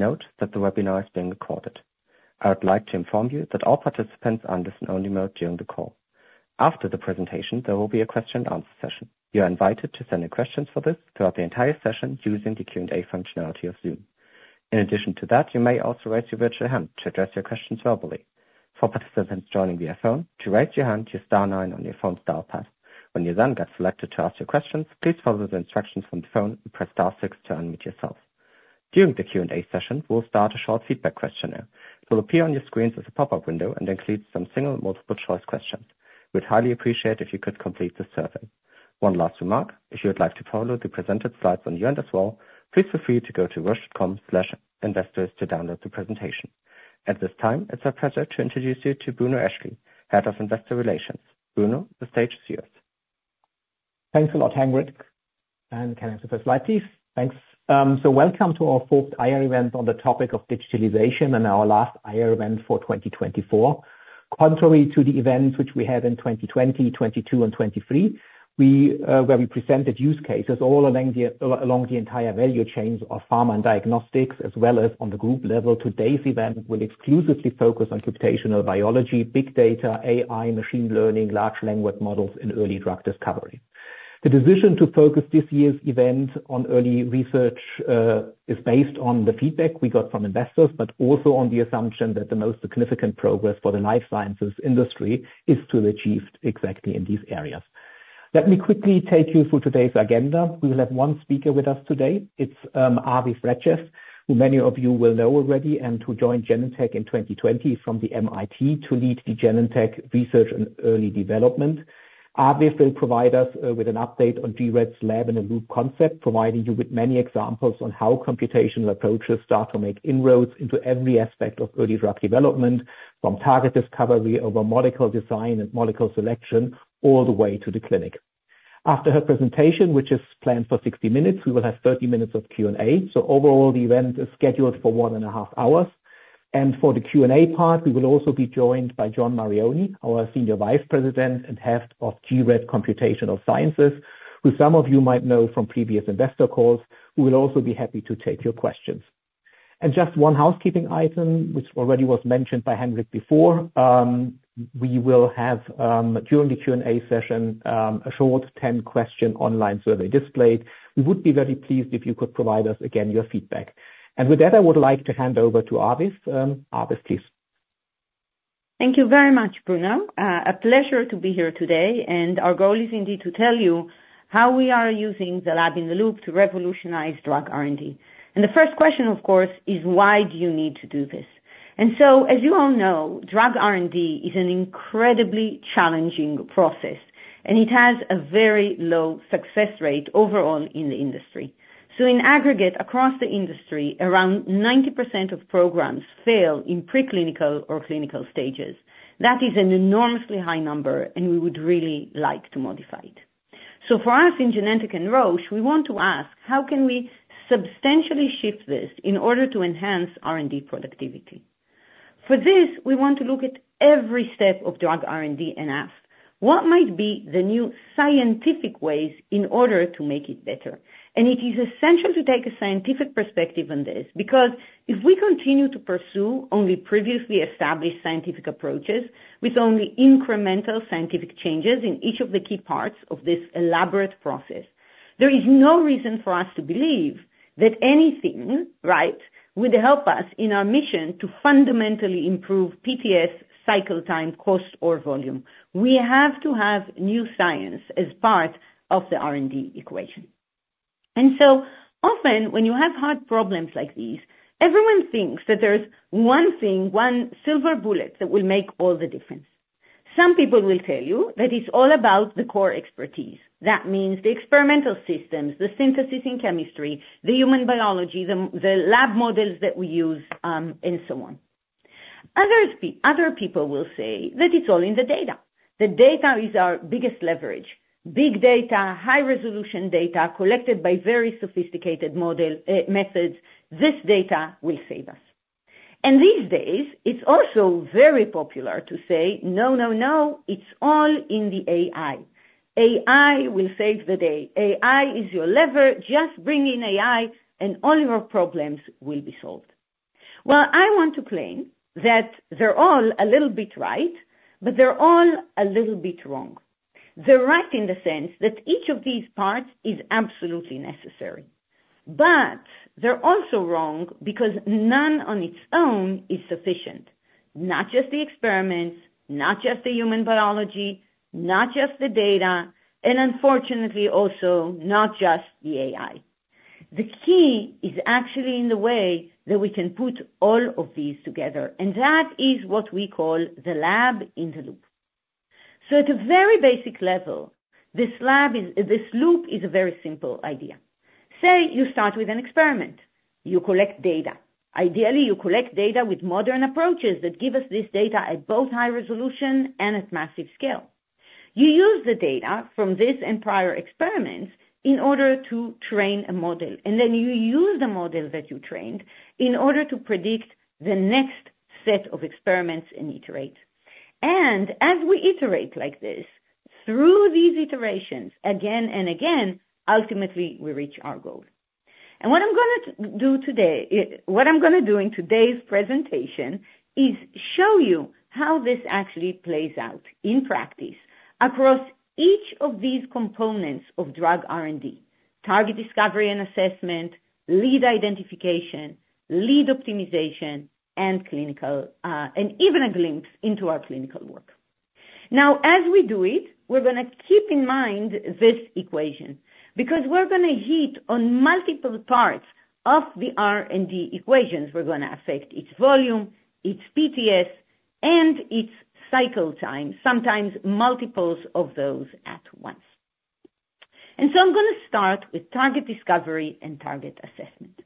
Note that the webinar is being recorded. I would like to inform you that all participants are in listen-only mode during the call. After the presentation, there will be a question-and-answer session. You are invited to send in questions for this throughout the entire session using the Q&A functionality of Zoom. In addition to that, you may also raise your virtual hand to address your questions verbally. For participants joining via phone, to raise your hand, use star nine on your phone's dial pad. When you then get selected to ask your questions, please follow the instructions from the phone and press star six to unmute yourself. During the Q&A session, we'll start a short feedback questionnaire. It will appear on your screens as a pop-up window and includes some single or multiple-choice questions. We'd highly appreciate it if you could complete the survey. One last remark: if you'd like to follow the presented slides on your end as well, please feel free to go to roche.com/investors to download the presentation. At this time, it's our pleasure to introduce you to Bruno Eschli, Head of Investor Relations. Bruno, the stage is yours. Thanks a lot, Ingrid. And can I have the first slide, please? Thanks. So welcome to our fourth IR event on the topic of digitalization and our last IR event for 2024. Contrary to the events which we had in 2020, 2022, and 2023, where we presented use cases all along the entire value chain of pharma and diagnostics, as well as on the group level, today's event will exclusively focus on computational biology, big data, AI, machine learning, large language models, and early drug discovery. The decision to focus this year's event on early research is based on the feedback we got from investors, but also on the assumption that the most significant progress for the life sciences industry is to be achieved exactly in these areas. Let me quickly take you through today's agenda. We will have one speaker with us today. It's Aviv Regev, who many of you will know already, and who joined Genentech in 2020 from the MIT to lead the Genentech Research and Early Development. Aviv will provide us with an update on gRED's Lab-in-the-Loop concept, providing you with many examples on how computational approaches start to make inroads into every aspect of early drug development, from target discovery over molecule design and molecule selection all the way to the clinic. After her presentation, which is planned for 60 minutes, we will have 30 minutes of Q&A. So overall, the event is scheduled for one and a half hours, and for the Q&A part, we will also be joined by John Marioni, our senior vice president and head of gRED Computational Sciences, who some of you might know from previous investor calls, who will also be happy to take your questions. Just one housekeeping item, which already was mentioned by Ingrid before. We will have during the Q&A session a short 10-question online survey displayed. We would be very pleased if you could provide us again your feedback. With that, I would like to hand over to Aviv. Aviv, please. Thank you very much, Bruno. A pleasure to be here today. And our goal is indeed to tell you how we are using the Lab-in-the-Loop to revolutionize drug R&D. And the first question, of course, is why do you need to do this? And so, as you all know, drug R&D is an incredibly challenging process, and it has a very low success rate overall in the industry. So in aggregate, across the industry, around 90% of programs fail in preclinical or clinical stages. That is an enormously high number, and we would really like to modify it. So for us in Genentech and Roche, we want to ask, how can we substantially shift this in order to enhance R&D productivity? For this, we want to look at every step of drug R&D and ask, what might be the new scientific ways in order to make it better? And it is essential to take a scientific perspective on this because if we continue to pursue only previously established scientific approaches with only incremental scientific changes in each of the key parts of this elaborate process, there is no reason for us to believe that anything would help us in our mission to fundamentally improve PTS cycle time, cost, or volume. We have to have new science as part of the R&D equation. And so often, when you have hard problems like these, everyone thinks that there's one thing, one silver bullet that will make all the difference. Some people will tell you that it's all about the core expertise. That means the experimental systems, the synthesis in chemistry, the human biology, the lab models that we use, and so on. Other people will say that it's all in the data. The data is our biggest leverage. Big data, high-resolution data collected by very sophisticated methods, this data will save us. And these days, it's also very popular to say, no, no, no, it's all in the AI. AI will save the day. AI is your lever. Just bring in AI, and all your problems will be solved. Well, I want to claim that they're all a little bit right, but they're all a little bit wrong. They're right in the sense that each of these parts is absolutely necessary. But they're also wrong because none on its own is sufficient. Not just the experiments, not just the human biology, not just the data, and unfortunately, also not just the AI. The key is actually in the way that we can put all of these together. And that is what we call the lab in the loop. So at a very basic level, this loop is a very simple idea. Say you start with an experiment. You collect data. Ideally, you collect data with modern approaches that give us this data at both high resolution and at massive scale. You use the data from this and prior experiments in order to train a model. And then you use the model that you trained in order to predict the next set of experiments and iterate. And as we iterate like this, through these iterations again and again, ultimately, we reach our goal. And what I'm going to do today, what I'm going to do in today's presentation, is show you how this actually plays out in practice across each of these components of drug R&D: target discovery and assessment, lead identification, lead optimization, and clinical, and even a glimpse into our clinical work. Now, as we do it, we're going to keep in mind this equation because we're going to hit on multiple parts of the R&D equations. We're going to affect its volume, its PTS, and its cycle time, sometimes multiples of those at once. And so I'm going to start with target discovery and target assessment.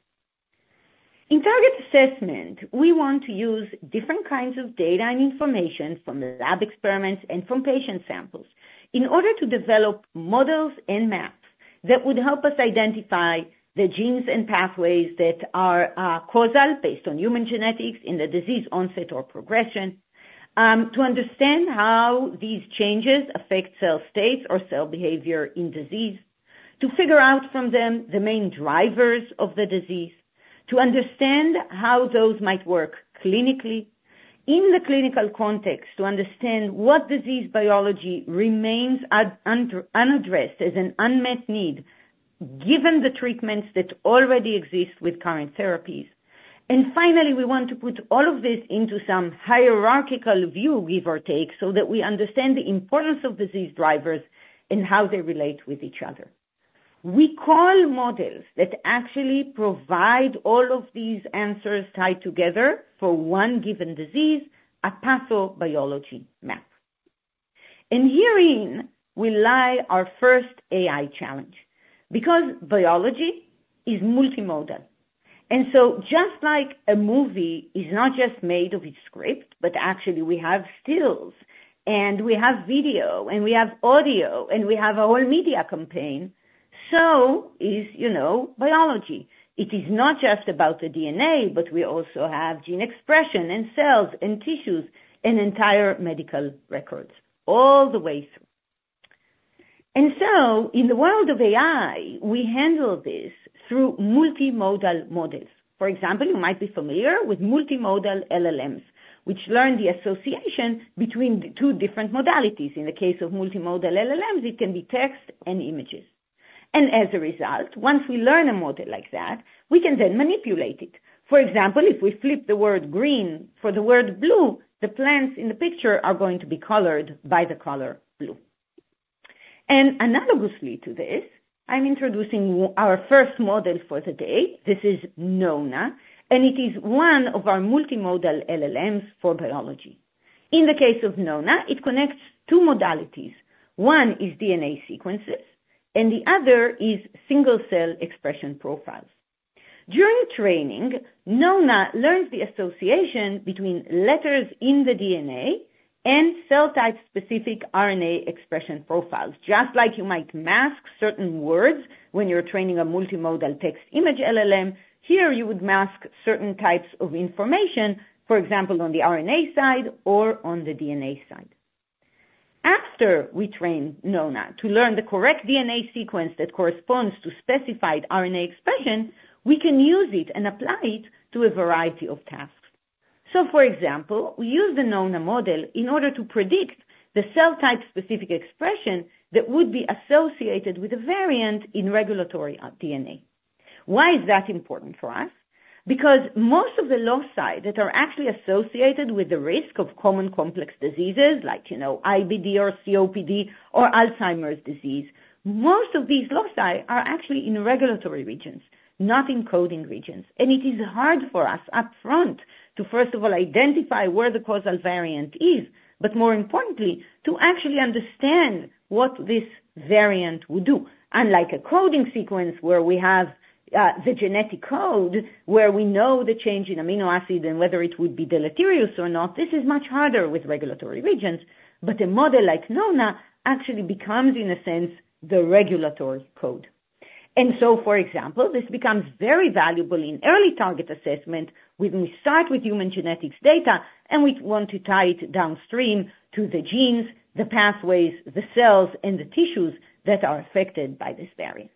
In target assessment, we want to use different kinds of data and information from lab experiments and from patient samples in order to develop models and maps that would help us identify the genes and pathways that are causal based on human genetics in the disease onset or progression, to understand how these changes affect cell states or cell behavior in disease, to figure out from them the main drivers of the disease, to understand how those might work clinically in the clinical context, to understand what disease biology remains unaddressed as an unmet need given the treatments that already exist with current therapies. And finally, we want to put all of this into some hierarchical view, give or take, so that we understand the importance of disease drivers and how they relate with each other. We call models that actually provide all of these answers tied together for one given disease a pathobiology map, and herein lies our first AI challenge because biology is multimodal. So just like a movie is not just made of its script, but actually we have stills, and we have video, and we have audio, and we have a whole media campaign, so is biology. It is not just about the DNA, but we also have gene expression and cells and tissues and entire medical records all the way through. In the world of AI, we handle this through multimodal models. For example, you might be familiar with multimodal LLMs, which learn the association between two different modalities. In the case of multimodal LLMs, it can be text and images, and as a result, once we learn a model like that, we can then manipulate it. For example, if we flip the word green for the word blue, the plants in the picture are going to be colored by the color blue. And analogously to this, I'm introducing our first model for the day. This is Nona. And it is one of our multimodal LLMs for biology. In the case of Nona, it connects two modalities. One is DNA sequences, and the other is single-cell expression profiles. During training, Nona learns the association between letters in the DNA and cell-type-specific RNA expression profiles. Just like you might mask certain words when you're training a multimodal text-image LLM, here you would mask certain types of information, for example, on the RNA side or on the DNA side. After we train Nona to learn the correct DNA sequence that corresponds to specified RNA expression, we can use it and apply it to a variety of tasks. So for example, we use the Nona model in order to predict the cell-type-specific expression that would be associated with a variant in regulatory DNA. Why is that important for us? Because most of the loci that are actually associated with the risk of common complex diseases like IBD or COPD or Alzheimer's disease, most of these loci are actually in regulatory regions, not in coding regions. And it is hard for us upfront to, first of all, identify where the causal variant is, but more importantly, to actually understand what this variant would do. Unlike a coding sequence where we have the genetic code where we know the change in amino acid and whether it would be deleterious or not, this is much harder with regulatory regions. But a model like Nona actually becomes, in a sense, the regulatory code. And so for example, this becomes very valuable in early target assessment when we start with human genetics data and we want to tie it downstream to the genes, the pathways, the cells, and the tissues that are affected by this variant.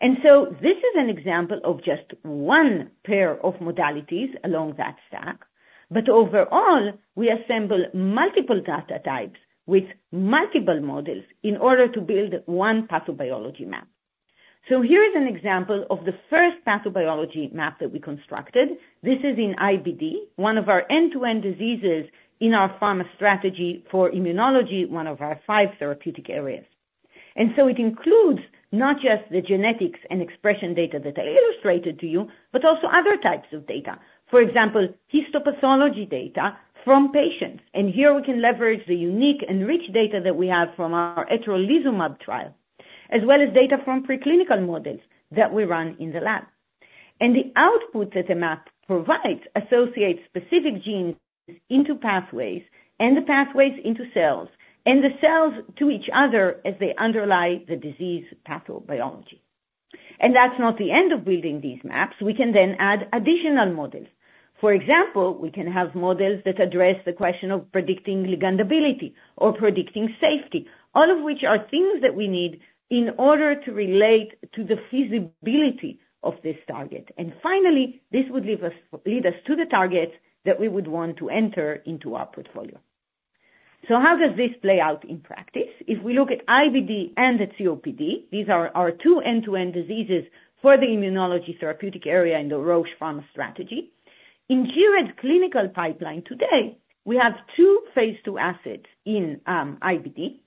And so this is an example of just one pair of modalities along that stack. But overall, we assemble multiple data types with multiple models in order to build one pathobiology map. So here is an example of the first pathobiology map that we constructed. This is in IBD, one of our end-to-end diseases in our pharma strategy for immunology, one of our five therapeutic areas. And so it includes not just the genetics and expression data that I illustrated to you, but also other types of data. For example, histopathology data from patients. Here we can leverage the unique and rich data that we have from our etrolizumab trial, as well as data from preclinical models that we run in the lab. The output that the map provides associates specific genes into pathways and the pathways into cells and the cells to each other as they underlie the disease pathobiology. That's not the end of building these maps. We can then add additional models. For example, we can have models that address the question of predicting ligandability or predicting safety, all of which are things that we need in order to relate to the feasibility of this target. Finally, this would lead us to the targets that we would want to enter into our portfolio. How does this play out in practice? If we look at IBD and the COPD, these are our two end-to-end diseases for the immunology therapeutic area in the Roche Pharma strategy. In gRED clinical pipeline today, we have two phase II assets in IBD,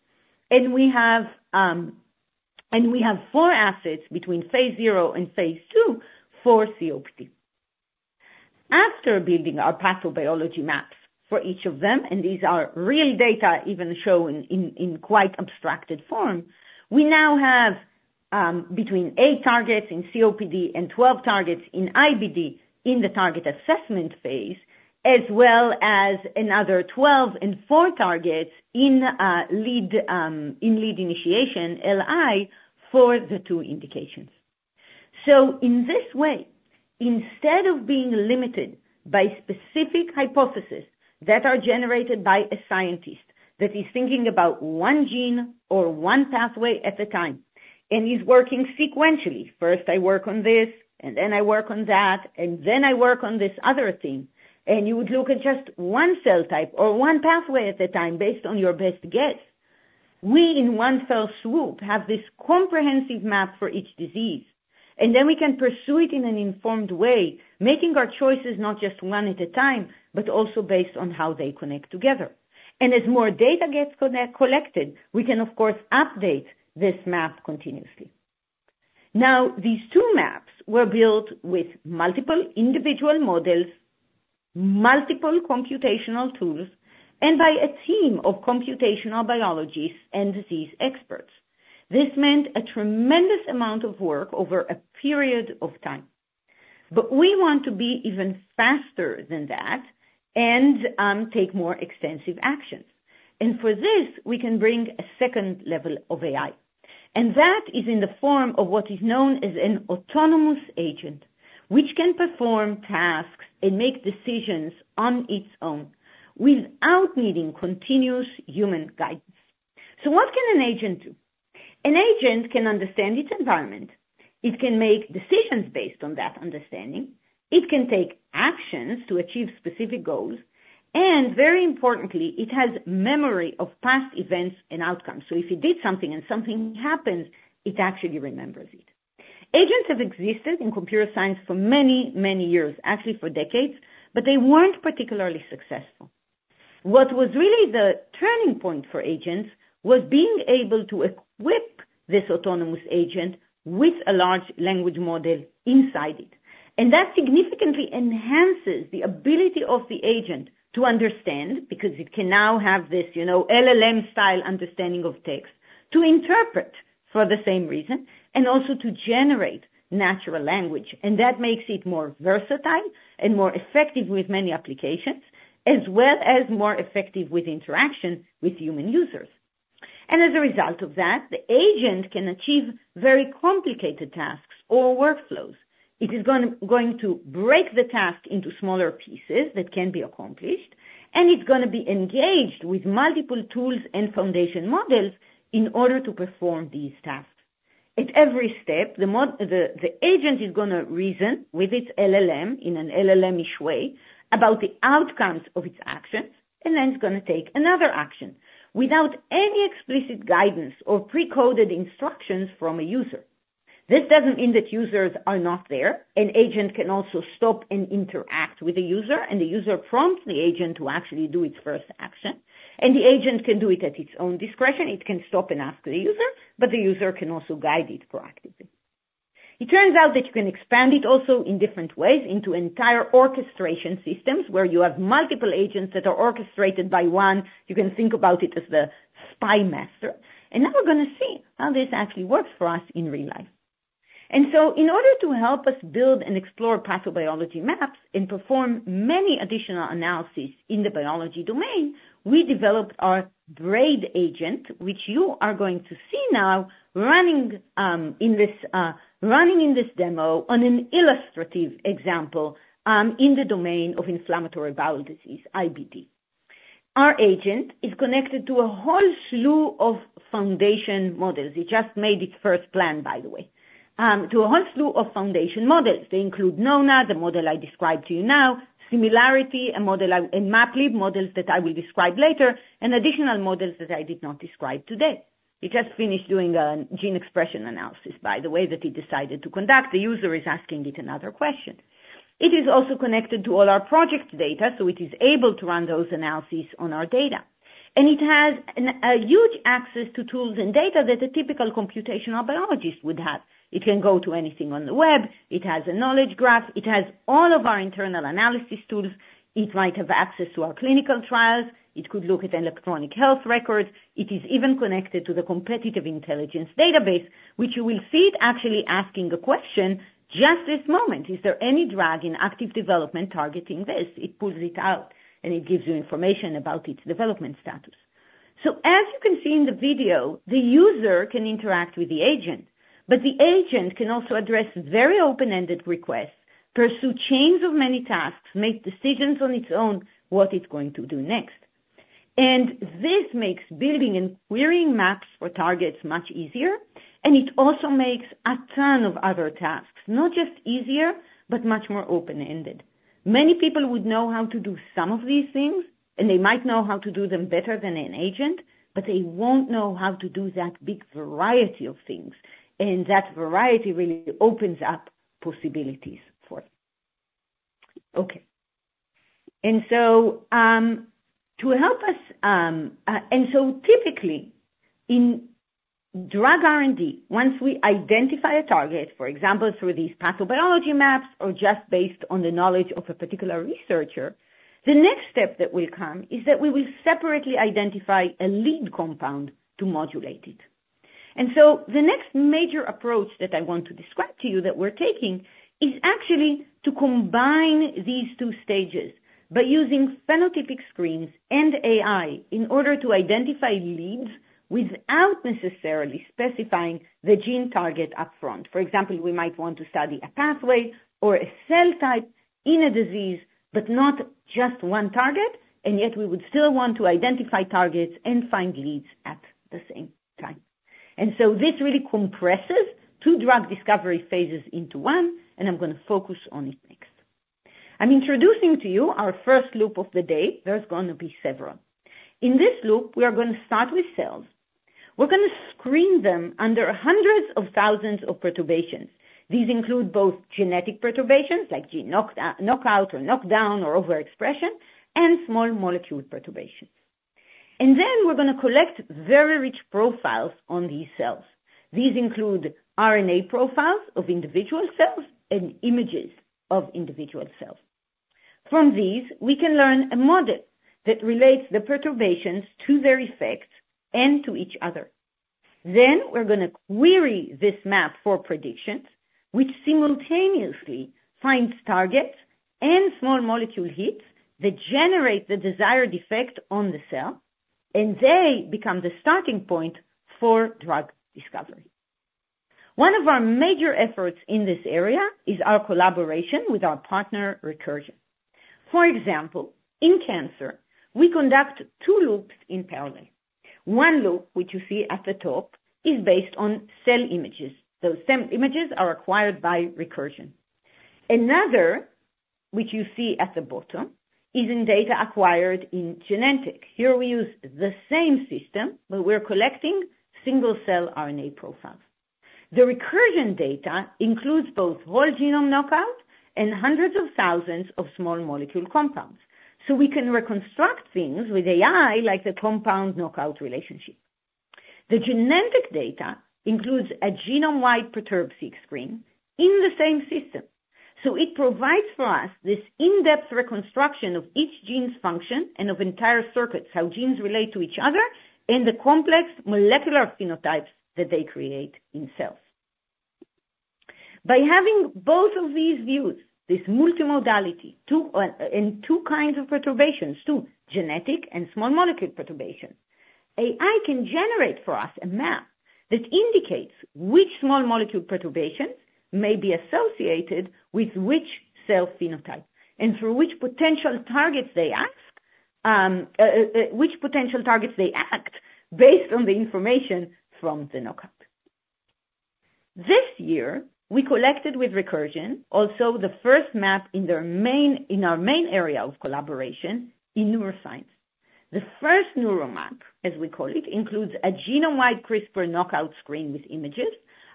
and we have four assets between phase I and phase II for COPD. After building our pathobiology maps for each of them, and these are real data even shown in quite abstracted form, we now have between eight targets in COPD and 12 targets in IBD in the target assessment phase, as well as another 12 and 4 targets in lead initiation, LI, for the two indications. So in this way, instead of being limited by specific hypotheses that are generated by a scientist that is thinking about one gene or one pathway at a time and is working sequentially, first I work on this, and then I work on that, and then I work on this other thing, and you would look at just one cell type or one pathway at a time based on your best guess. We in one fell swoop have this comprehensive map for each disease. And then we can pursue it in an informed way, making our choices not just one at a time, but also based on how they connect together. And as more data gets collected, we can, of course, update this map continuously. Now, these two maps were built with multiple individual models, multiple computational tools, and by a team of computational biologists and disease experts. This meant a tremendous amount of work over a period of time. But we want to be even faster than that and take more extensive actions. And for this, we can bring a second level of AI. And that is in the form of what is known as an autonomous agent, which can perform tasks and make decisions on its own without needing continuous human guidance. So what can an agent do? An agent can understand its environment. It can make decisions based on that understanding. It can take actions to achieve specific goals. And very importantly, it has memory of past events and outcomes. So if it did something and something happens, it actually remembers it. Agents have existed in computer science for many, many years, actually for decades, but they weren't particularly successful. What was really the turning point for agents was being able to equip this autonomous agent with a large language model inside it. And that significantly enhances the ability of the agent to understand because it can now have this LLM-style understanding of text to interpret for the same reason and also to generate natural language. And that makes it more versatile and more effective with many applications, as well as more effective with interaction with human users. And as a result of that, the agent can achieve very complicated tasks or workflows. It is going to break the task into smaller pieces that can be accomplished, and it's going to be engaged with multiple tools and foundation models in order to perform these tasks. At every step, the agent is going to reason with its LLM in an LLM-ish way about the outcomes of its actions, and then it's going to take another action without any explicit guidance or pre-coded instructions from a user. This doesn't mean that users are not there. An agent can also stop and interact with a user, and the user prompts the agent to actually do its first action. And the agent can do it at its own discretion. It can stop and ask the user, but the user can also guide it proactively. It turns out that you can expand it also in different ways into entire orchestration systems where you have multiple agents that are orchestrated by one. You can think about it as the spymaster. And now we're going to see how this actually works for us in real life. And so in order to help us build and explore pathobiology maps and perform many additional analyses in the biology domain, we developed our Braid agent, which you are going to see now running in this demo on an illustrative example in the domain of inflammatory bowel disease, IBD. Our agent is connected to a whole slew of foundation models. It just made its first plan, by the way, to a whole slew of foundation models. They include Nona, the model I described to you now, Scimilarity, MapLib, lead models that I will describe later, and additional models that I did not describe today. It just finished doing a gene expression analysis, by the way, that it decided to conduct. The user is asking it another question. It is also connected to all our project data, so it is able to run those analyses on our data. And it has huge access to tools and data that a typical computational biologist would have. It can go to anything on the web. It has a knowledge graph. It has all of our internal analysis tools. It might have access to our clinical trials. It could look at electronic health records. It is even connected to the competitive intelligence database, which you will see it actually asking a question just this moment. Is there any drug in active development targeting this? It pulls it out, and it gives you information about its development status. So as you can see in the video, the user can interact with the agent, but the agent can also address very open-ended requests, pursue chains of many tasks, make decisions on its own what it's going to do next. And this makes building and querying maps for targets much easier. It also makes a ton of other tasks not just easier, but much more open-ended. Many people would know how to do some of these things, and they might know how to do them better than an agent, but they won't know how to do that big variety of things. That variety really opens up possibilities for them. Okay. So to help us, and so typically in drug R&D, once we identify a target, for example, through these pathobiology maps or just based on the knowledge of a particular researcher, the next step that will come is that we will separately identify a lead compound to modulate it. And so the next major approach that I want to describe to you that we're taking is actually to combine these two stages by using phenotypic screens and AI in order to identify leads without necessarily specifying the gene target upfront. For example, we might want to study a pathway or a cell type in a disease, but not just one target. And yet we would still want to identify targets and find leads at the same time. And so this really compresses two drug discovery phases into one, and I'm going to focus on it next. I'm introducing to you our first loop of the day. There's going to be several. In this loop, we are going to start with cells. We're going to screen them under hundreds of thousands of perturbations. These include both genetic perturbations like gene knockout or knockdown or overexpression and small molecule perturbations. And then we're going to collect very rich profiles on these cells. These include RNA profiles of individual cells and images of individual cells. From these, we can learn a model that relates the perturbations to their effects and to each other. Then we're going to query this map for predictions, which simultaneously finds targets and small molecule hits that generate the desired effect on the cell, and they become the starting point for drug discovery. One of our major efforts in this area is our collaboration with our partner Recursion. For example, in cancer, we conduct two loops in parallel. One loop, which you see at the top, is based on cell images. Those cell images are acquired by Recursion. Another, which you see at the bottom, is in data acquired in genetics. Here we use the same system, but we're collecting single-cell RNA profiles. The Recursion data includes both whole genome knockout and hundreds of thousands of small molecule compounds. So we can reconstruct things with AI like the compound knockout relationship. The genetic data includes a genome-wide perturbation screen in the same system. So it provides for us this in-depth reconstruction of each gene's function and of entire circuits, how genes relate to each other, and the complex molecular phenotypes that they create in cells. By having both of these views, this multimodality and two kinds of perturbations, two genetic and small molecule perturbations, AI can generate for us a map that indicates which small molecule perturbations may be associated with which cell phenotype and for which potential targets they act, based on the information from the knockout. This year, we collected with Recursion also the first map in our main area of collaboration in neuroscience. The first neuro map, as we call it, includes a genome-wide CRISPR knockout screen with images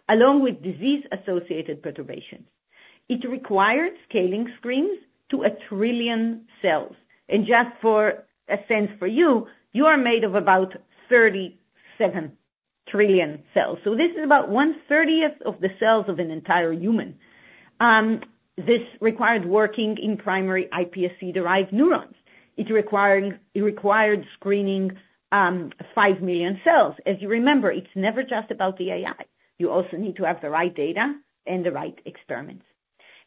along with disease-associated perturbations. It required scaling screens to a trillion cells, and just for a sense for you, you are made of about 37 trillion cells, so this is about one-thirtieth of the cells of an entire human. This required working in primary iPSC-derived neurons. It required screening five million cells. As you remember, it's never just about the AI. You also need to have the right data and the right experiments,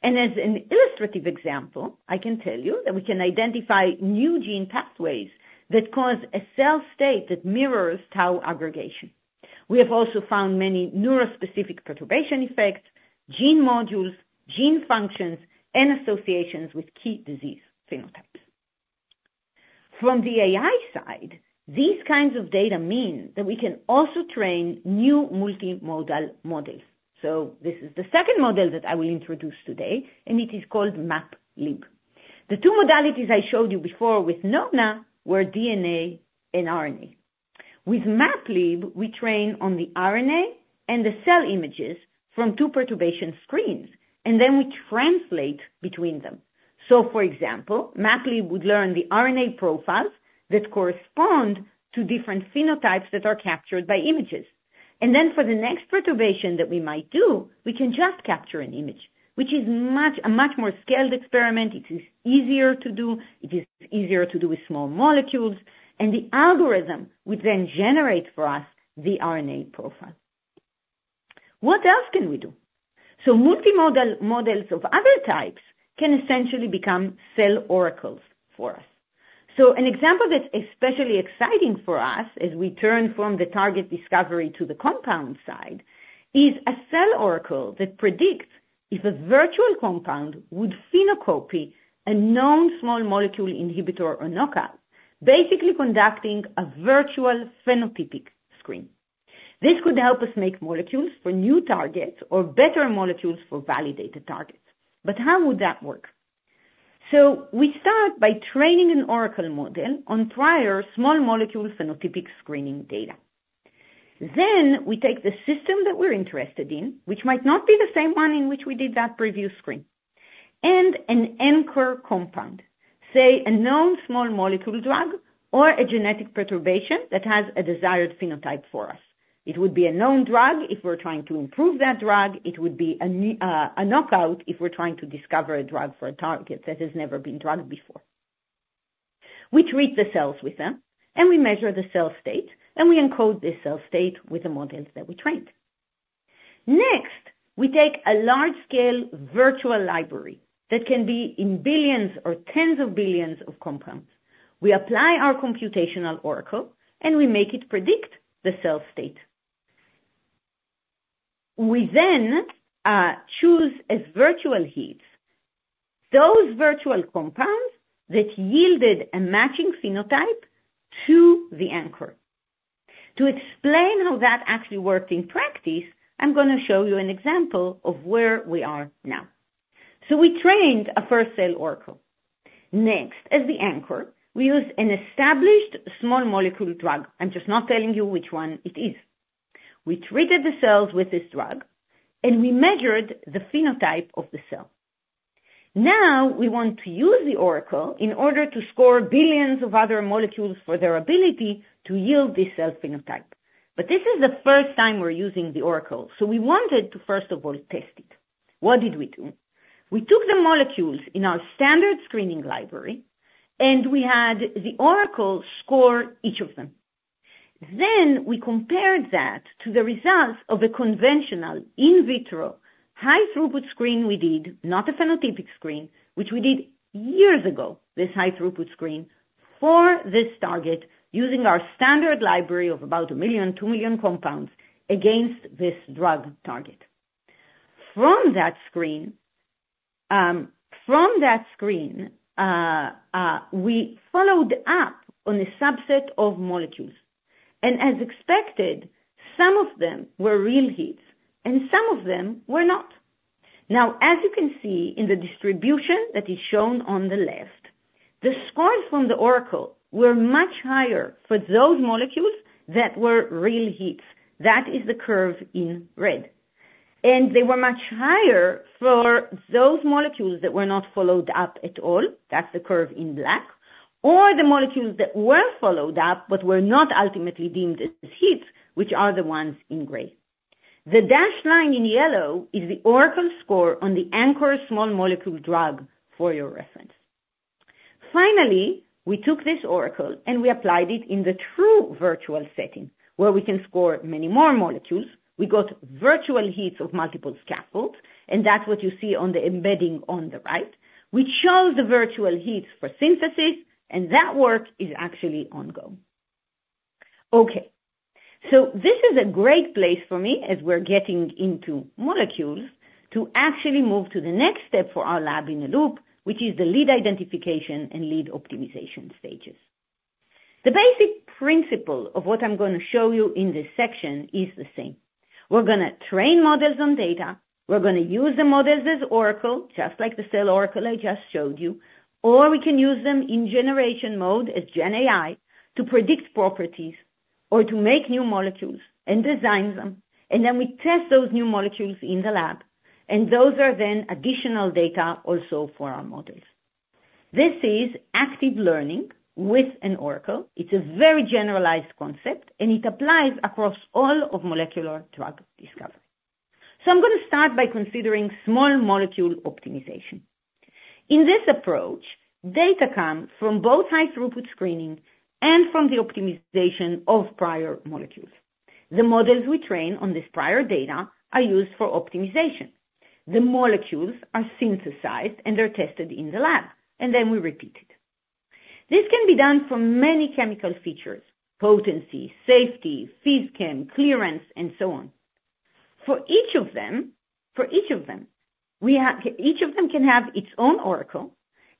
and as an illustrative example, I can tell you that we can identify new gene pathways that cause a cell state that mirrors tau aggregation. We have also found many neurospecific perturbation effects, gene modules, gene functions, and associations with key disease phenotypes. From the AI side, these kinds of data mean that we can also train new multimodal models. This is the second model that I will introduce today, and it is called MAP-LIB. The two modalities I showed you before with Nona were DNA and RNA. With MAP-LIB, we train on the RNA and the cell images from two perturbation screens, and then we translate between them. For example, MAP-LIB would learn the RNA profiles that correspond to different phenotypes that are captured by images. Then for the next perturbation that we might do, we can just capture an image, which is a much more scaled experiment. It is easier to do. It is easier to do with small molecules. And the algorithm would then generate for us the RNA profile. What else can we do? Multimodal models of other types can essentially become CellOracle for us. An example that's especially exciting for us as we turn from the target discovery to the compound side is a CellOracle that predicts if a virtual compound would phenocopy a known small molecule inhibitor or knockout, basically conducting a virtual phenotypic screen. This could help us make molecules for new targets or better molecules for validated targets. How would that work? We start by training an oracle model on prior small molecule phenotypic screening data. We take the system that we're interested in, which might not be the same one in which we did that previous screen, and an anchor compound, say, a known small molecule drug or a genetic perturbation that has a desired phenotype for us. It would be a known drug if we're trying to improve that drug. It would be a knockout if we're trying to discover a drug for a target that has never been drugged before. We treat the cells with them, and we measure the cell state, and we encode the cell state with the models that we trained. Next, we take a large-scale virtual library that can be in billions or tens of billions of compounds. We apply our computational oracle, and we make it predict the cell state. We then choose as virtual hits those virtual compounds that yielded a matching phenotype to the anchor. To explain how that actually worked in practice, I'm going to show you an example of where we are now, so we trained a first CellOracle. Next, as the anchor, we used an established small molecule drug. I'm just not telling you which one it is. We treated the cells with this drug, and we measured the phenotype of the cell. Now we want to use the oracle in order to score billions of other molecules for their ability to yield this cell phenotype. But this is the first time we're using the oracle, so we wanted to, first of all, test it. What did we do? We took the molecules in our standard screening library, and we had the oracle score each of them. Then we compared that to the results of a conventional in vitro high-throughput screen we did, not a phenotypic screen, which we did years ago, this high-throughput screen for this target using our standard library of about a million, two million compounds against this drug target. From that screen, we followed up on a subset of molecules. As expected, some of them were real hits, and some of them were not. Now, as you can see in the distribution that is shown on the left, the scores from the oracle were much higher for those molecules that were real hits. That is the curve in red. They were much higher for those molecules that were not followed up at all. That's the curve in black, or the molecules that were followed up but were not ultimately deemed as hits, which are the ones in gray. The dashed line in yellow is the oracle score on the anchor small molecule drug for your reference. Finally, we took this oracle and we applied it in the true virtual setting where we can score many more molecules. We got virtual heaps of multiple scaffolds, and that's what you see on the embedding on the right, which shows the virtual heaps for synthesis, and that work is actually ongoing. Okay. So this is a great place for me as we're getting into molecules to actually move to the next step for our lab in the loop, which is the lead identification and lead optimization stages. The basic principle of what I'm going to show you in this section is the same. We're going to train models on data. We're going to use the models as oracle, just like the CellOracle I just showed you, or we can use them in generation mode as GenAI to predict properties or to make new molecules and design them. And then we test those new molecules in the lab, and those are then additional data also for our models. This is active learning with an oracle. It's a very generalized concept, and it applies across all of molecular drug discovery. So I'm going to start by considering small molecule optimization. In this approach, data come from both high-throughput screening and from the optimization of prior molecules. The models we train on this prior data are used for optimization. The molecules are synthesized and they're tested in the lab, and then we repeat it. This can be done for many chemical features, potency, safety, physchem, clearance, and so on. For each of them, we have each of them can have its own oracle,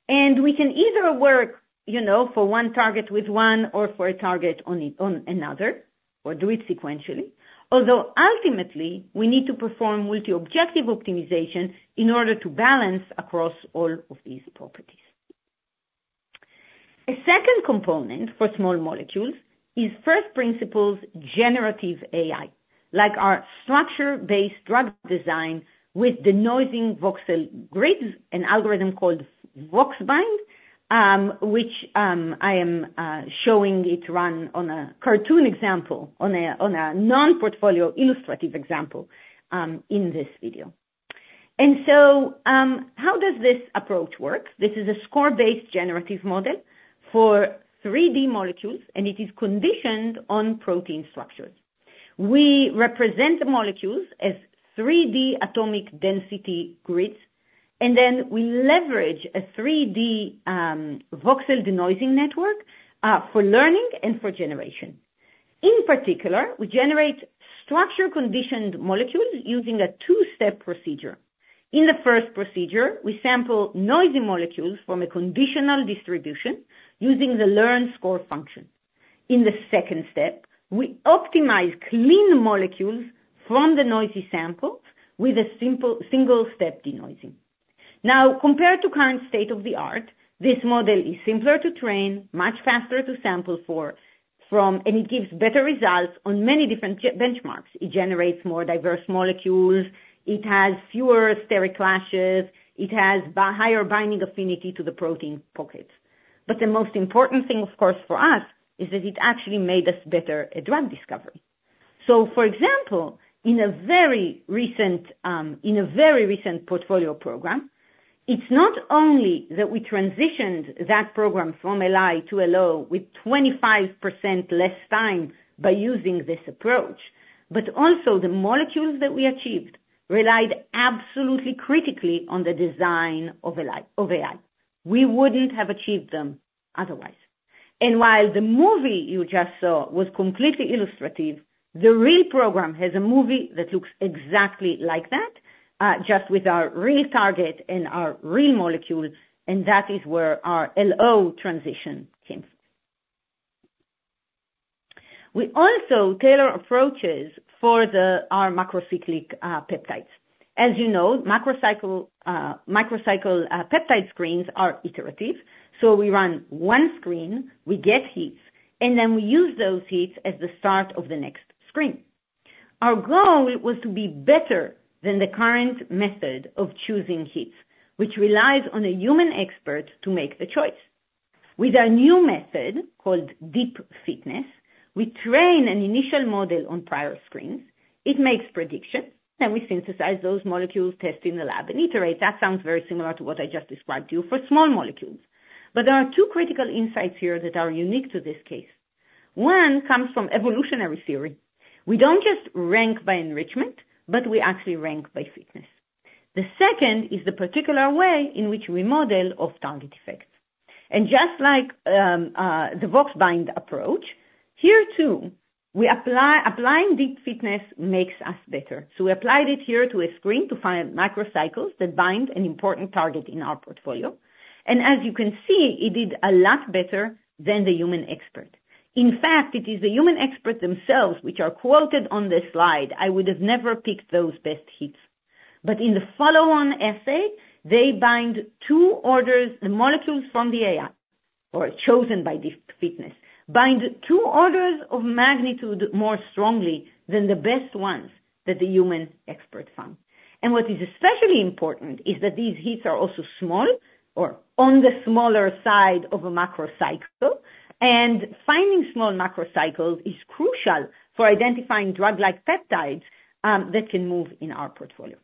and we can either work, you know, for one target with one or for a target on another, or do it sequentially, although ultimately we need to perform multi-objective optimization in order to balance across all of these properties. A second component for small molecules is first principles generative AI, like our structure-based drug design with the denoising voxel grids, an algorithm called VoxBind, which I am showing it run on a cartoon example, on a non-portfolio illustrative example in this video, and so how does this approach work? This is a score-based generative model for 3D molecules, and it is conditioned on protein structures. We represent the molecules as 3D atomic density grids, and then we leverage a 3D voxel denoising network for learning and for generation. In particular, we generate structure-conditioned molecules using a two-step procedure. In the first procedure, we sample noisy molecules from a conditional distribution using the learned score function. In the second step, we optimize clean molecules from the noisy sample with a single-step denoising. Now, compared to current state of the art, this model is simpler to train, much faster to sample for, and it gives better results on many different benchmarks. It generates more diverse molecules. It has fewer steric clashes. It has higher binding affinity to the protein pockets. But the most important thing, of course, for us is that it actually made us better at drug discovery. So for example, in a very recent portfolio program, it's not only that we transitioned that program from LI to LO with 25% less time by using this approach, but also the molecules that we achieved relied absolutely critically on the design of AI. We wouldn't have achieved them otherwise. And while the movie you just saw was completely illustrative, the real program has a movie that looks exactly like that, just with our real target and our real molecules, and that is where our LO transition came from. We also tailor approaches for our macrocyclic peptides. As you know, macrocyclic peptide screens are iterative, so we run one screen, we get hits, and then we use those hits as the start of the next screen. Our goal was to be better than the current method of choosing hits, which relies on a human expert to make the choice. With a new method called DeepFitness, we train an initial model on prior screens. It makes predictions, then we synthesize those molecules testing in the lab and iterate. That sounds very similar to what I just described to you for small molecules. But there are two critical insights here that are unique to this case. One comes from evolutionary theory. We don't just rank by enrichment, but we actually rank by fitness. The second is the particular way in which we model off-target effects. And just like the VoxBind approach, here too, we apply DeepFitness, which makes us better. So we applied it here to a screen to find macrocycles that bind an important target in our portfolio. And as you can see, it did a lot better than the human expert. In fact, it is the human experts themselves which are quoted on this slide. I would have never picked those best hits. But in the follow-on assay, the molecules from the AI, or chosen by DeepFitness, bind two orders of magnitude more strongly than the best ones that the human expert found. What is especially important is that these hits are also small or on the smaller side of a macrocycle, and finding small macrocycles is crucial for identifying drug-like peptides that can move in our portfolio.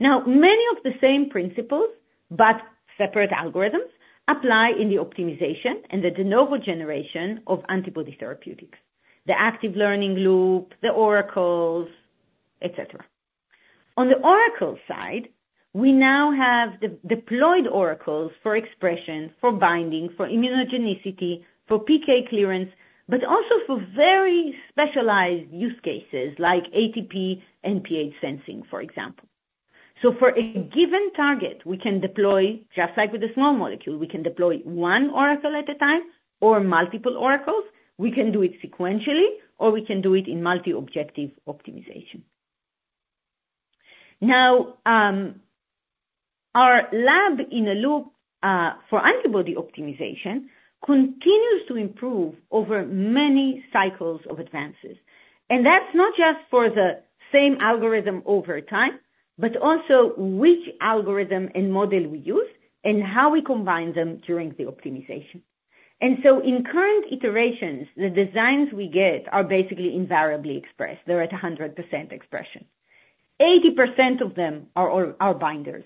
Now, many of the same principles, but separate algorithms, apply in the optimization and the de novo generation of antibody therapeutics, the active learning loop, the oracles, etc. On the oracle side, we now have the deployed oracles for expression, for binding, for immunogenicity, for PK clearance, but also for very specialized use cases like ATP and pH sensing, for example. For a given target, we can deploy, just like with a small molecule, we can deploy one oracle at a time or multiple oracles. We can do it sequentially, or we can do it in multi-objective optimization. Now, our lab in the loop for antibody optimization continues to improve over many cycles of advances, and that's not just for the same algorithm over time, but also which algorithm and model we use and how we combine them during the optimization, and so in current iterations, the designs we get are basically invariably expressed. They're at 100% expression. 80% of them are binders,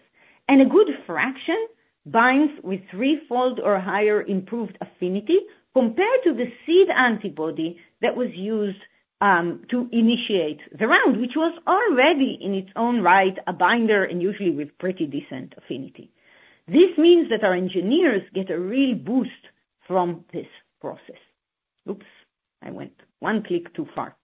and a good fraction binds with threefold or higher improved affinity compared to the seed antibody that was used to initiate the round, which was already in its own right a binder and usually with pretty decent affinity. This means that our engineers get a real boost from this process. Oops, I went one click too far,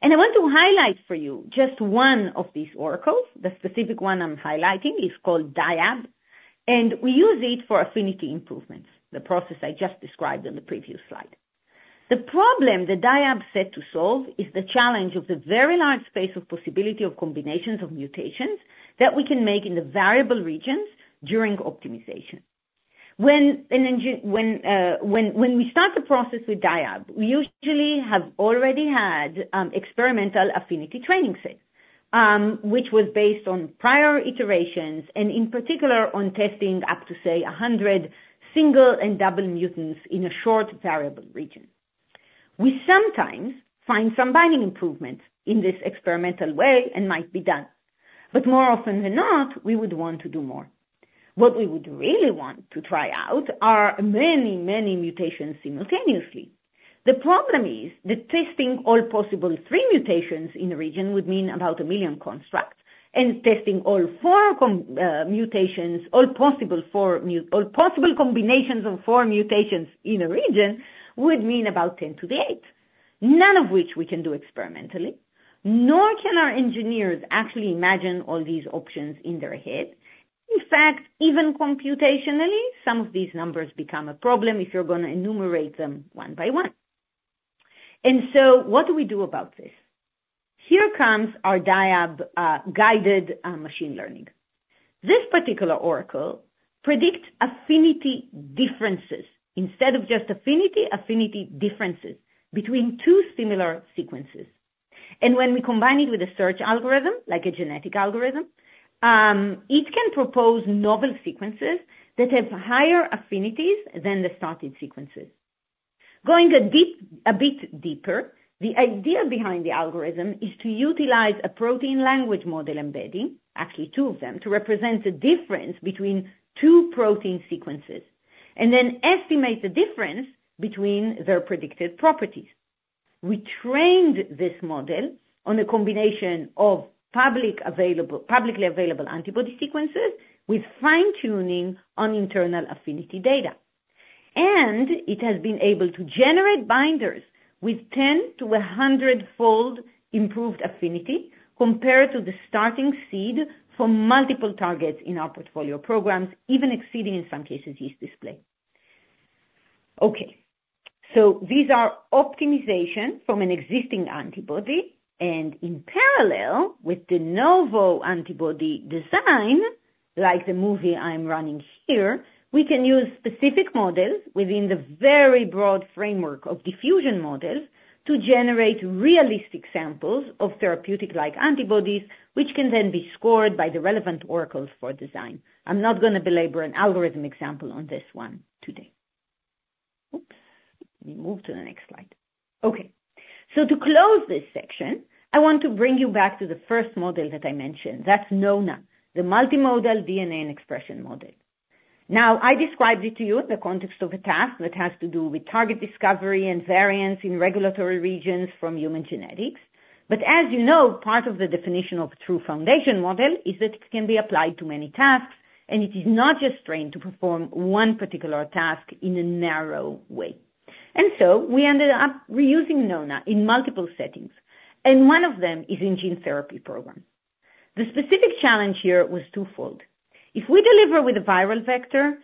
and I want to highlight for you just one of these oracles. The specific one I'm highlighting is called DIAB, and we use it for affinity improvements, the process I just described on the previous slide. The problem that DIAB is set to solve is the challenge of the very large space of possibility of combinations of mutations that we can make in the variable regions during optimization. When we start the process with DIAB, we usually have already had experimental affinity training set, which was based on prior iterations and in particular on testing up to, say, 100 single and double mutants in a short variable region. We sometimes find some binding improvements in this experimental way and might be done, but more often than not, we would want to do more. What we would really want to try out are many, many mutations simultaneously. The problem is that testing all possible three mutations in a region would mean about a million constructs, and testing all four mutations, all possible combinations of four mutations in a region would mean about 10 to the 8, none of which we can do experimentally, nor can our engineers actually imagine all these options in their head. In fact, even computationally, some of these numbers become a problem if you're going to enumerate them one by one. And so what do we do about this? Here comes our DIAB-guided machine learning. This particular oracle predicts affinity differences instead of just affinity, affinity differences between two similar sequences. And when we combine it with a search algorithm, like a genetic algorithm, it can propose novel sequences that have higher affinities than the started sequences. Going a bit deeper, the idea behind the algorithm is to utilize a protein language model embedding, actually two of them, to represent the difference between two protein sequences and then estimate the difference between their predicted properties. We trained this model on a combination of publicly available antibody sequences with fine-tuning on internal affinity data, and it has been able to generate binders with 10- to 100-fold improved affinity compared to the starting seed for multiple targets in our portfolio programs, even exceeding in some cases yeast display. Okay, so these are optimizations from an existing antibody, and in parallel with de novo antibody design, like the movie I'm running here, we can use specific models within the very broad framework of diffusion models to generate realistic samples of therapeutic-like antibodies, which can then be scored by the relevant oracles for design. I'm not going to belabor an algorithm example on this one today. Oops. Let me move to the next slide. Okay, so to close this section, I want to bring you back to the first model that I mentioned. That's Nona, the multimodal DNA and expression model. Now, I described it to you in the context of a task that has to do with target discovery and variants in regulatory regions from human genetics, but as you know, part of the definition of a true foundation model is that it can be applied to many tasks, and it is not just trained to perform one particular task in a narrow way, and so we ended up reusing Nona in multiple settings, and one of them is in gene therapy programs. The specific challenge here was twofold. If we deliver with a viral vector,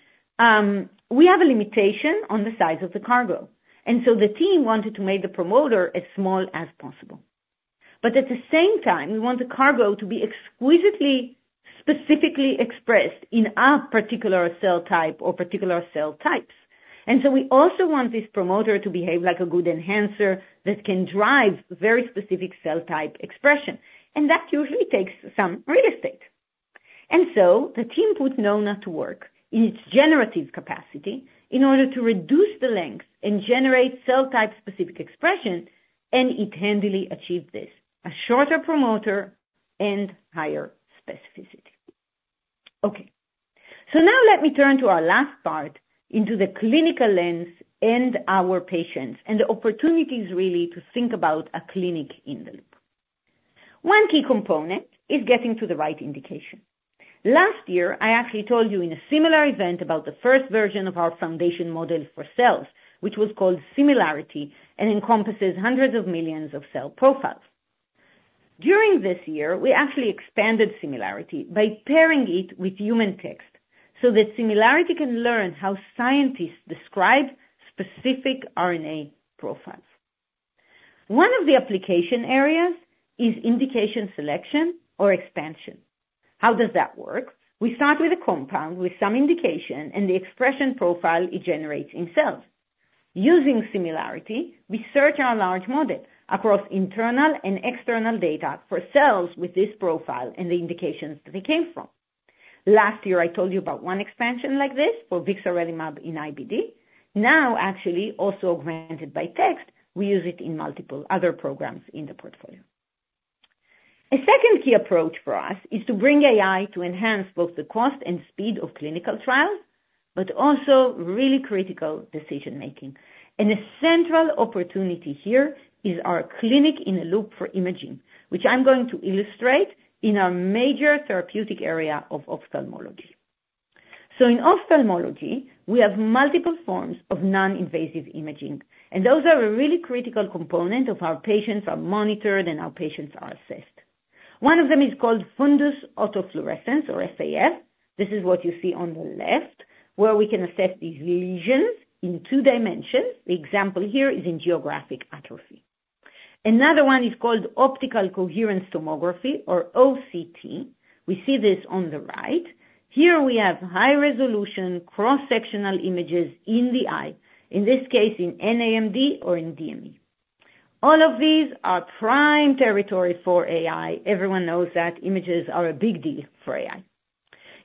we have a limitation on the size of the cargo. And so the team wanted to make the promoter as small as possible. But at the same time, we want the cargo to be exquisitely specifically expressed in a particular cell type or particular cell types. And so we also want this promoter to behave like a good enhancer that can drive very specific cell type expression. And that usually takes some real estate. And so the team put Nona to work in its generative capacity in order to reduce the length and generate cell type specific expression, and it handily achieved this: a shorter promoter and higher specificity. Okay. So now let me turn to our last part into the clinical lens and our patients and the opportunities really to think about a clinic in the loop. One key component is getting to the right indication. Last year, I actually told you in a similar event about the first version of our foundation model for cells, which was called scimilarity and encompasses hundreds of millions of cell profiles. During this year, we actually expanded scimilarity by pairing it with human text so that scimilarity can learn how scientists describe specific RNA profiles. One of the application areas is indication selection or expansion. How does that work? We start with a compound with some indication and the expression profile it generates in cells. Using scimilarity, we search our large model across internal and external data for cells with this profile and the indications that they came from. Last year, I told you about one expansion like this for vixarelimab in IBD. Now, actually also augmented by text, we use it in multiple other programs in the portfolio. A second key approach for us is to bring AI to enhance both the cost and speed of clinical trials, but also really critical decision-making. And a central opportunity here is our clinic in the loop for imaging, which I'm going to illustrate in our major therapeutic area of ophthalmology. So in ophthalmology, we have multiple forms of non-invasive imaging, and those are a really critical component of our patients are monitored and our patients are assessed. One of them is called fundus autofluorescence or FAF. This is what you see on the left, where we can assess these lesions in two dimensions. The example here is in geographic atrophy. Another one is called optical coherence tomography or OCT. We see this on the right. Here we have high-resolution cross-sectional images in the eye, in this case in nAMD or in DME. All of these are prime territory for AI. Everyone knows that images are a big deal for AI.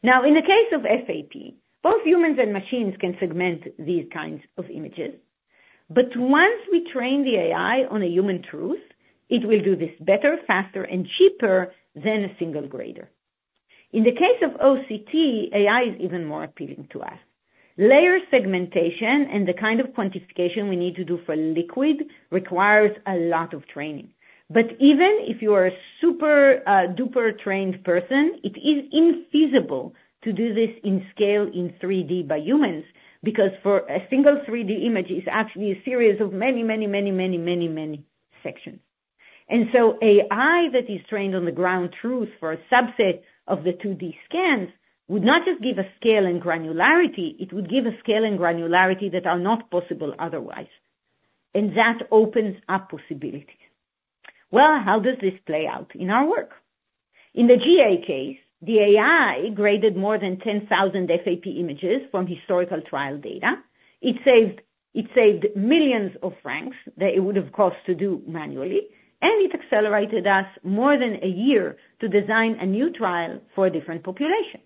Now, in the case of FAF, both humans and machines can segment these kinds of images, but once we train the AI on a ground truth, it will do this better, faster, and cheaper than a single grader. In the case of OCT, AI is even more appealing to us. Layer segmentation and the kind of quantification we need to do for fluid requires a lot of training. But even if you are a super-duper trained person, it is infeasible to do this at scale in 3D by humans because for a single 3D image, it's actually a series of many, many, many, many, many, many sections. And so AI that is trained on the ground truth for a subset of the 2D scans would not just give a scale and granularity, it would give a scale and granularity that are not possible otherwise. And that opens up possibilities. Well, how does this play out in our work? In the GA case, the AI graded more than 10,000 FAF images from historical trial data. It saved millions of CHF that it would have cost to do manually, and it accelerated us more than a year to design a new trial for a different population.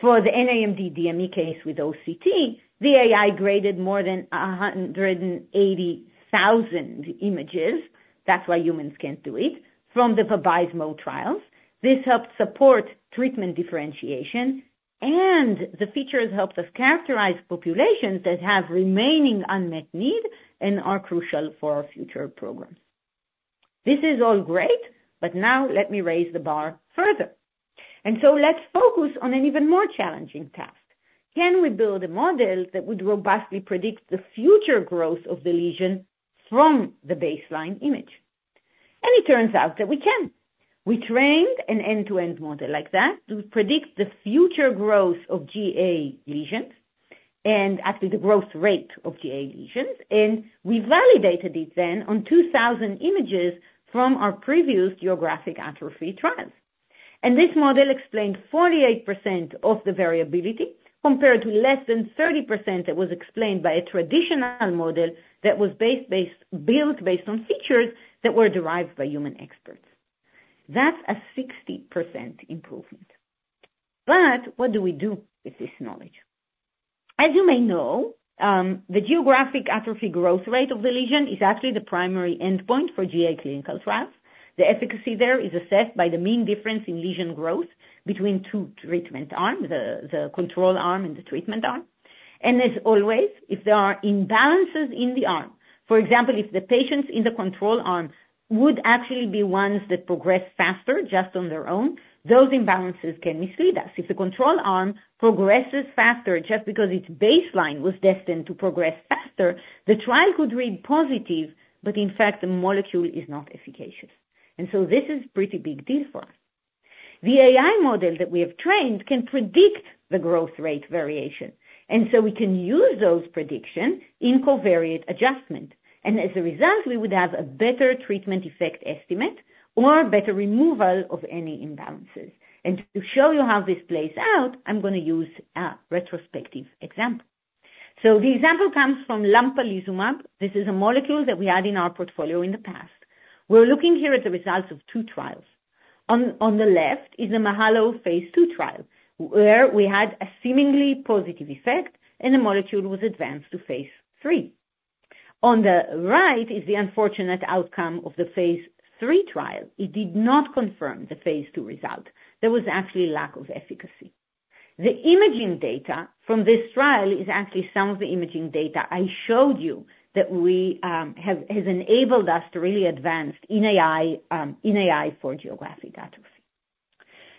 For the NAMD DME case with OCT, the AI graded more than 180,000 images. That's why humans can't do it, from the Vabysmo trials. This helped support treatment differentiation, and the features helped us characterize populations that have remaining unmet need and are crucial for our future programs. This is all great, but now let me raise the bar further, and so let's focus on an even more challenging task. Can we build a model that would robustly predict the future growth of the lesion from the baseline image? And it turns out that we can. We trained an end-to-end model like that to predict the future growth of GA lesions and actually the growth rate of GA lesions, and we validated it then on 2,000 images from our previous geographic atrophy trials, and this model explained 48% of the variability compared to less than 30% that was explained by a traditional model that was built based on features that were derived by human experts. That's a 60% improvement. But what do we do with this knowledge? As you may know, the geographic atrophy growth rate of the lesion is actually the primary endpoint for GA clinical trials. The efficacy there is assessed by the mean difference in lesion growth between two treatment arms, the control arm and the treatment arm. And as always, if there are imbalances in the arm, for example, if the patients in the control arm would actually be ones that progress faster just on their own, those imbalances can mislead us. If the control arm progresses faster just because its baseline was destined to progress faster, the trial could read positive, but in fact, the molecule is not efficacious. And so this is a pretty big deal for us. The AI model that we have trained can predict the growth rate variation, and so we can use those predictions in covariate adjustment. And as a result, we would have a better treatment effect estimate or better removal of any imbalances. To show you how this plays out, I'm going to use a retrospective example. The example comes from lampalizumab. This is a molecule that we had in our portfolio in the past. We're looking here at the results of two trials. On the left is the MAHALO phase II trial, where we had a seemingly positive effect, and the molecule was advanced to phase III. On the right is the unfortunate outcome of the phase III trial. It did not confirm the phase II result. There was actually a lack of efficacy. The imaging data from this trial is actually some of the imaging data I showed you that has enabled us to really advance in AI for geographic atrophy.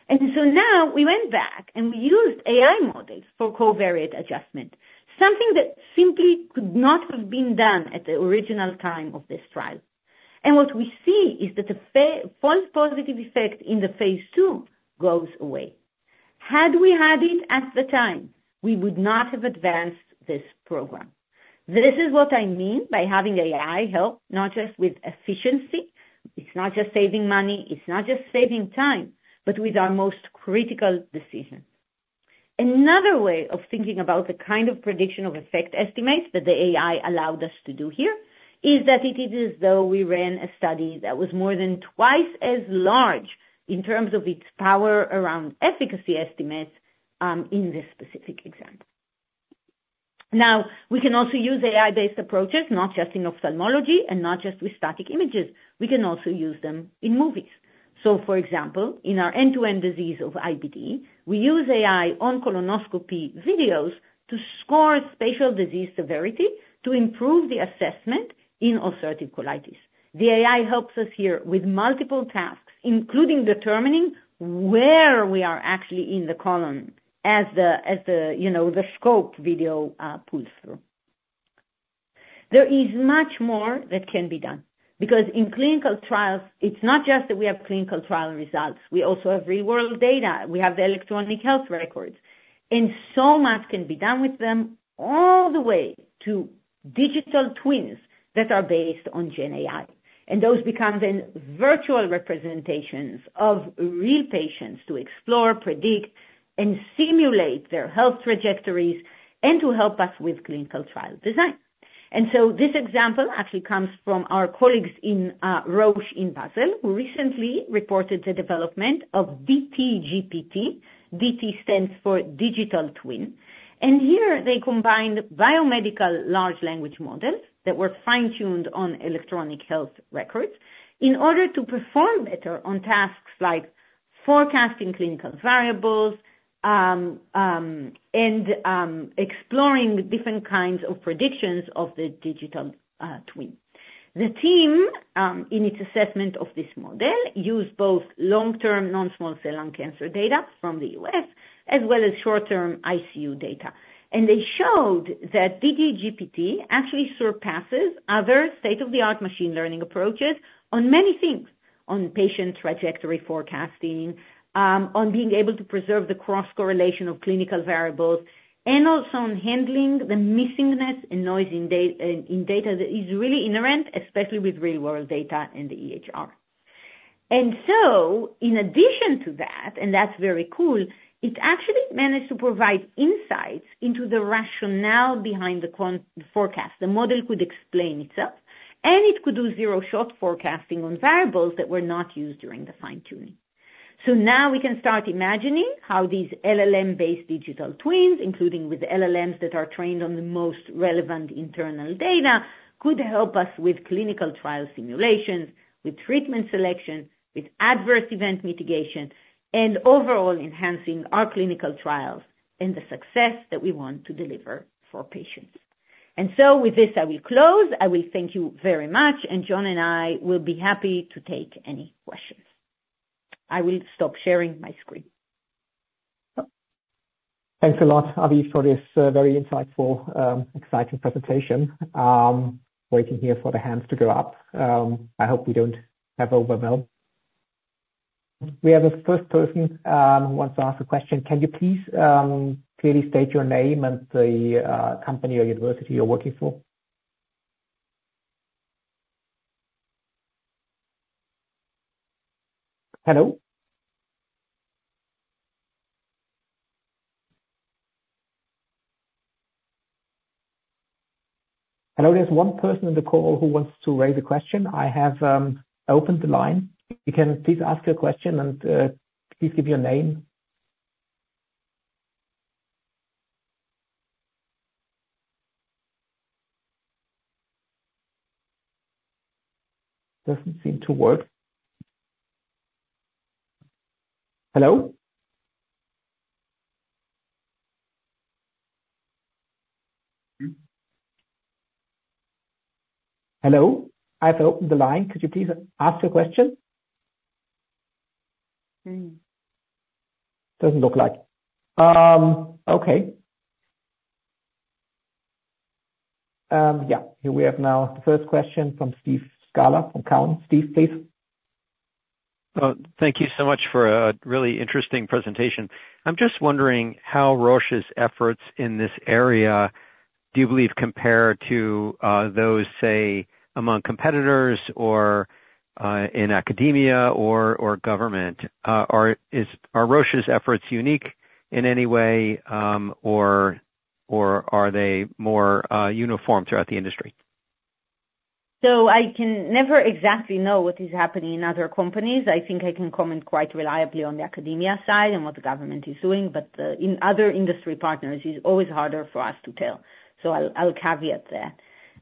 And so now we went back and we used AI models for covariate adjustment, something that simply could not have been done at the original time of this trial. And what we see is that the false positive effect in the phase II goes away. Had we had it at the time, we would not have advanced this program. This is what I mean by having AI help, not just with efficiency. It's not just saving money. It's not just saving time, but with our most critical decisions. Another way of thinking about the kind of prediction of effect estimates that the AI allowed us to do here is that it is as though we ran a study that was more than twice as large in terms of its power around efficacy estimates in this specific example. Now, we can also use AI-based approaches, not just in ophthalmology and not just with static images. We can also use them in movies. So, for example, in our end-to-end disease of IBD, we use AI on colonoscopy videos to score spatial disease severity to improve the assessment in ulcerative colitis. The AI helps us here with multiple tasks, including determining where we are actually in the colon as the scope video pulls through. There is much more that can be done because in clinical trials, it's not just that we have clinical trial results. We also have real-world data. We have the electronic health records, and so much can be done with them all the way to digital twins that are based on GenAI. And those become then virtual representations of real patients to explore, predict, and simulate their health trajectories and to help us with clinical trial design. And so this example actually comes from our colleagues in Roche in Basel, who recently reported the development of DT-GPT. DT stands for digital twin. And here they combined biomedical large language models that were fine-tuned on electronic health records in order to perform better on tasks like forecasting clinical variables and exploring different kinds of predictions of the digital twin. The team, in its assessment of this model, used both long-term non-small cell lung cancer data from the U.S. as well as short-term ICU data. And they showed that DT-GPT actually surpasses other state-of-the-art machine learning approaches on many things: on patient trajectory forecasting, on being able to preserve the cross-correlation of clinical variables, and also on handling the missingness and noise in data that is really inherent, especially with real-world data and the EHR. And so, in addition to that, and that's very cool, it actually managed to provide insights into the rationale behind the forecast. The model could explain itself, and it could do zero-shot forecasting on variables that were not used during the fine-tuning. So now we can start imagining how these LLM-based digital twins, including with LLMs that are trained on the most relevant internal data, could help us with clinical trial simulations, with treatment selection, with adverse event mitigation, and overall enhancing our clinical trials and the success that we want to deliver for patients. And so with this, I will close. I will thank you very much, and John and I will be happy to take any questions. I will stop sharing my screen. Thanks a lot, Avi, for this very insightful, exciting presentation. Waiting here for the hands to go up. I hope we don't have overwhelm. We have a first person who wants to ask a question. Can you please clearly state your name and the company or university you're working for? Hello? Hello, there's one person in the call who wants to raise a question. I have opened the line. You can please ask your question and please give your name. Doesn't seem to work. Hello? Hello? I've opened the line. Could you please ask your question? Doesn't look like. Okay. Yeah, here we have now the first question from Steve Scala from Cowen. Steve, please. Thank you so much for a really interesting presentation. I'm just wondering how Roche's efforts in this area, do you believe, compare to those, say, among competitors or in academia or government? Are Roche's efforts unique in any way, or are they more uniform throughout the industry? So I can never exactly know what is happening in other companies. I think I can comment quite reliably on the academia side and what the government is doing, but in other industry partners, it's always harder for us to tell. So I'll caveat that.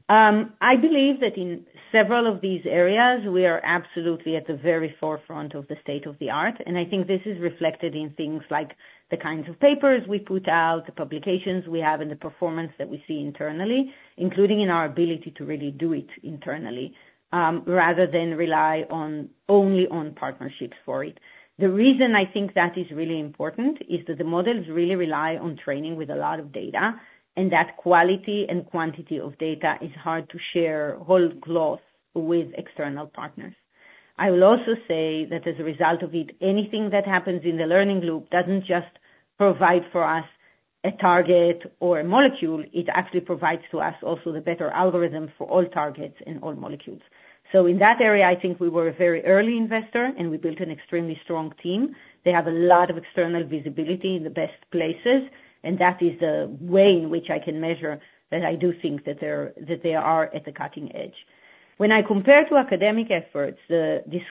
I believe that in several of these areas, we are absolutely at the very forefront of the state of the art, and I think this is reflected in things like the kinds of papers we put out, the publications we have, and the performance that we see internally, including in our ability to really do it internally rather than rely only on partnerships for it. The reason I think that is really important is that the models really rely on training with a lot of data, and that quality and quantity of data is hard to share whole cloth with external partners. I will also say that as a result of it, anything that happens in the learning loop doesn't just provide for us a target or a molecule. It actually provides to us also the better algorithm for all targets and all molecules. So in that area, I think we were a very early investor, and we built an extremely strong team. They have a lot of external visibility in the best places, and that is the way in which I can measure that I do think that they are at the cutting edge. When I compare to academic efforts,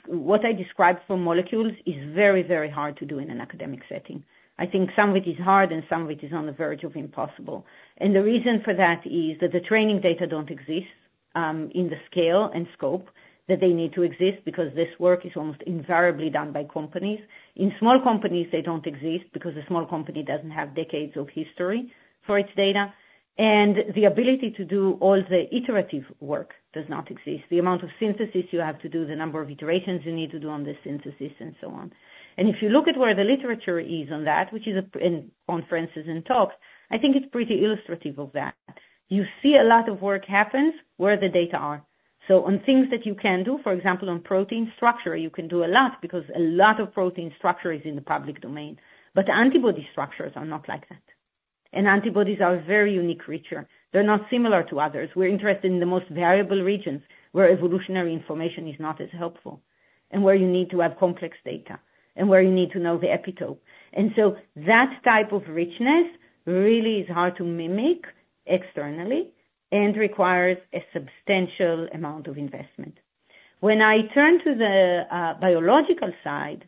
what I described for molecules is very, very hard to do in an academic setting. I think some of it is hard, and some of it is on the verge of impossible. And the reason for that is that the training data don't exist in the scale and scope that they need to exist because this work is almost invariably done by companies. In small companies, they don't exist because a small company doesn't have decades of history for its data, and the ability to do all the iterative work does not exist. The amount of synthesis you have to do, the number of iterations you need to do on the synthesis, and so on. And if you look at where the literature is on that, which is in conferences and talks, I think it's pretty illustrative of that. You see a lot of work happens where the data are. On things that you can do, for example, on protein structure, you can do a lot because a lot of protein structure is in the public domain, but antibody structures are not like that. Antibodies are a very unique creature. They're not similar to others. We're interested in the most variable regions where evolutionary information is not as helpful and where you need to have complex data and where you need to know the epitope. That type of richness really is hard to mimic externally and requires a substantial amount of investment. When I turn to the biological side,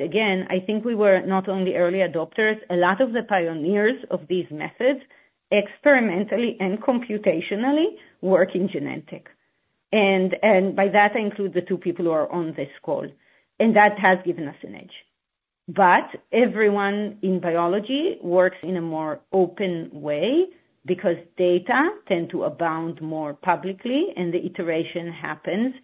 again, I think we were not only early adopters. A lot of the pioneers of these methods experimentally and computationally work in Genentech. By that, I include the two people who are on this call. That has given us an edge. But everyone in biology works in a more open way because data tend to abound more publicly, and the iteration happens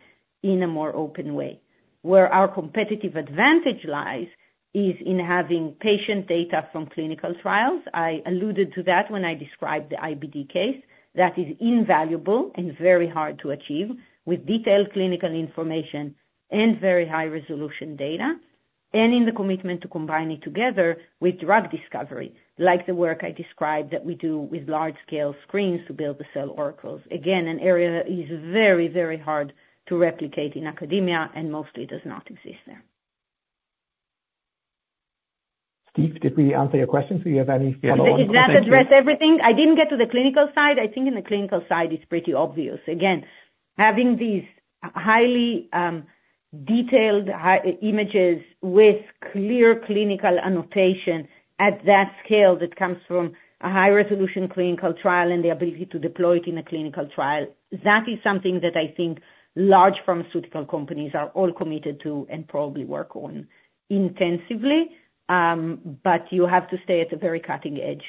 in a more open way. Where our competitive advantage lies is in having patient data from clinical trials. I alluded to that when I described the IBD case. That is invaluable and very hard to achieve with detailed clinical information and very high-resolution data, and in the commitment to combine it together with drug discovery, like the work I described that we do with large-scale screens to build the CellOracles. Again, an area that is very, very hard to replicate in academia and mostly does not exist there. Steve, did we answer your question? Do you have any follow-up questions? Did that address everything? I didn't get to the clinical side. I think in the clinical side, it's pretty obvious. Again, having these highly detailed images with clear clinical annotation at that scale that comes from a high-resolution clinical trial and the ability to deploy it in a clinical trial, that is something that I think large pharmaceutical companies are all committed to and probably work on intensively, but you have to stay at the very cutting edge.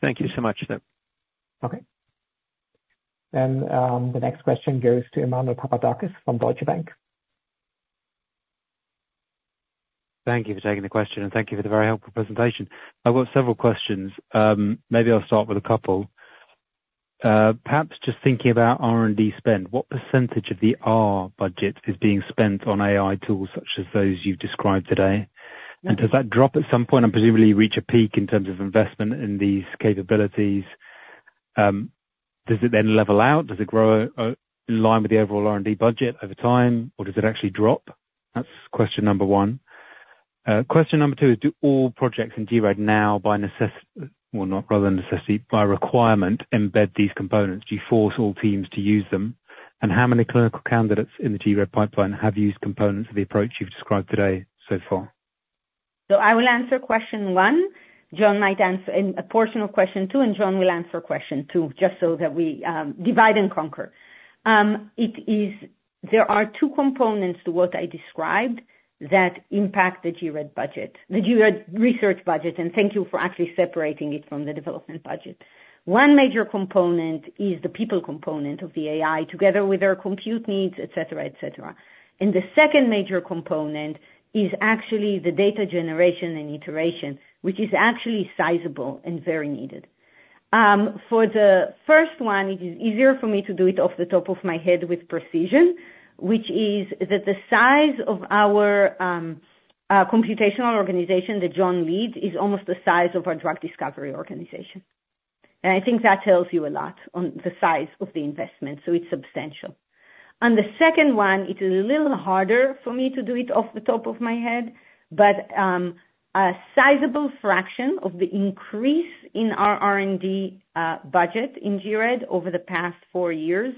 Thank you so much. Okay. And the next question goes to Emmanuel Papadakis from Deutsche Bank. Thank you for taking the question, and thank you for the very helpful presentation. I've got several questions. Maybe I'll start with a couple. Perhaps just thinking about R&D spend, what percentage of the R&D budget is being spent on AI tools such as those you've described today? And does that drop at some point and presumably reach a peak in terms of investment in these capabilities? Does it then level out? Does it grow in line with the overall R&D budget over time, or does it actually drop? That's question number one. Question number two is, do all projects in gRED now by necessity or not, rather than necessity, by requirement embed these components? Do you force all teams to use them? And how many clinical candidates in the gRED pipeline have used components of the approach you've described today so far? So I will answer question one. John might answer a portion of question two, and John will answer question two just so that we divide and conquer. There are two components to what I described that impact the gRED budget, the gRED research budget, and thank you for actually separating it from the development budget. One major component is the people component of the AI together with our compute needs, etc., etc. And the second major component is actually the data generation and iteration, which is actually sizable and very needed. For the first one, it is easier for me to do it off the top of my head with precision, which is that the size of our computational organization that John leads is almost the size of our drug discovery organization. And I think that tells you a lot on the size of the investment, so it's substantial. On the second one, it is a little harder for me to do it off the top of my head, but a sizable fraction of the increase in our R&D budget in gRED over the past four years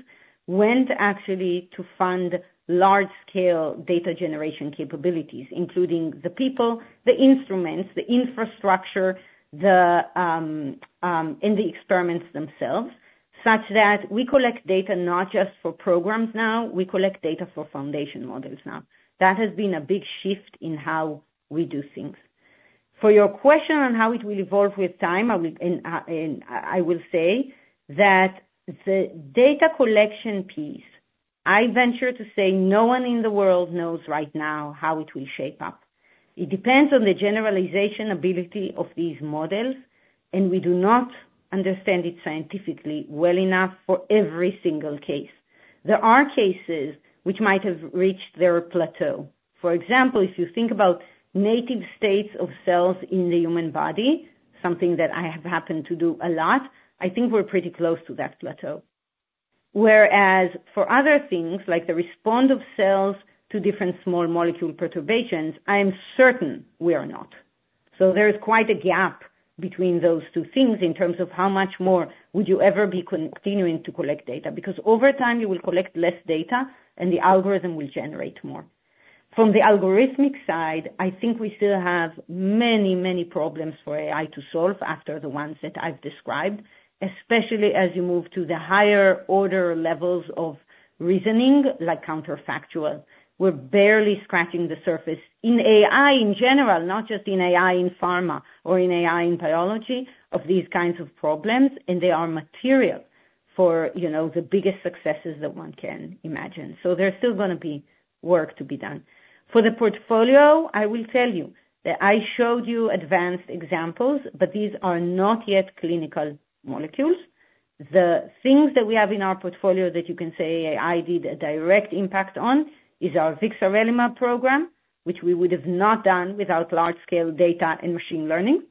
went actually to fund large-scale data generation capabilities, including the people, the instruments, the infrastructure, and the experiments themselves, such that we collect data not just for programs now. We collect data for foundation models now. That has been a big shift in how we do things. For your question on how it will evolve with time, I will say that the data collection piece, I venture to say no one in the world knows right now how it will shape up. It depends on the generalization ability of these models, and we do not understand it scientifically well enough for every single case. There are cases which might have reached their plateau. For example, if you think about native states of cells in the human body, something that I have happened to do a lot, I think we're pretty close to that plateau. Whereas for other things, like the response of cells to different small molecule perturbations, I am certain we are not. So there is quite a gap between those two things in terms of how much more would you ever be continuing to collect data because over time, you will collect less data, and the algorithm will generate more. From the algorithmic side, I think we still have many, many problems for AI to solve after the ones that I've described, especially as you move to the higher order levels of reasoning, like counterfactual. We're barely scratching the surface in AI in general, not just in AI in pharma or in AI in biology of these kinds of problems, and they are material for the biggest successes that one can imagine. So there's still going to be work to be done. For the portfolio, I will tell you that I showed you advanced examples, but these are not yet clinical molecules. The things that we have in our portfolio that you can say AI did a direct impact on is our vixarelimab program, which we would have not done without large-scale data and machine learning,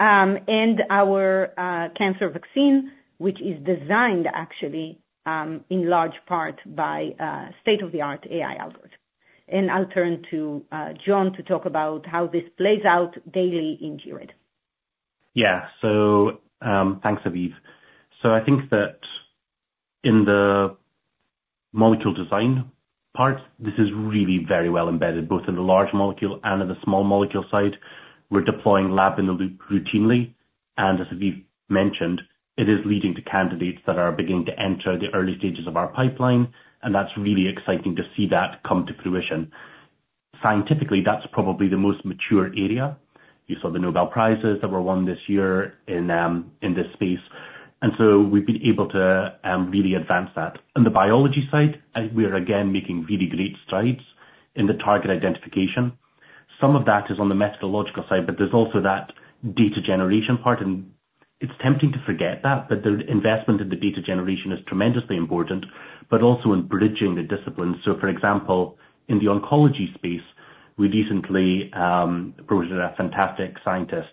and our cancer vaccine, which is designed actually in large part by state-of-the-art AI algorithm. And I'll turn to John to talk about how this plays out daily in gRED. Yeah. So thanks, Avi. So I think that in the molecule design part, this is really very well embedded both in the large molecule and in the small molecule side. We're deploying lab in the loop routinely. And as we've mentioned, it is leading to candidates that are beginning to enter the early stages of our pipeline, and that's really exciting to see that come to fruition. Scientifically, that's probably the most mature area. You saw the Nobel Prizes that were won this year in this space. And so we've been able to really advance that. On the biology side, we are again making really great strides in the target identification. Some of that is on the methodological side, but there's also that data generation part, and it's tempting to forget that, but the investment in the data generation is tremendously important, but also in bridging the disciplines. So for example, in the oncology space, we recently brought in a fantastic scientist,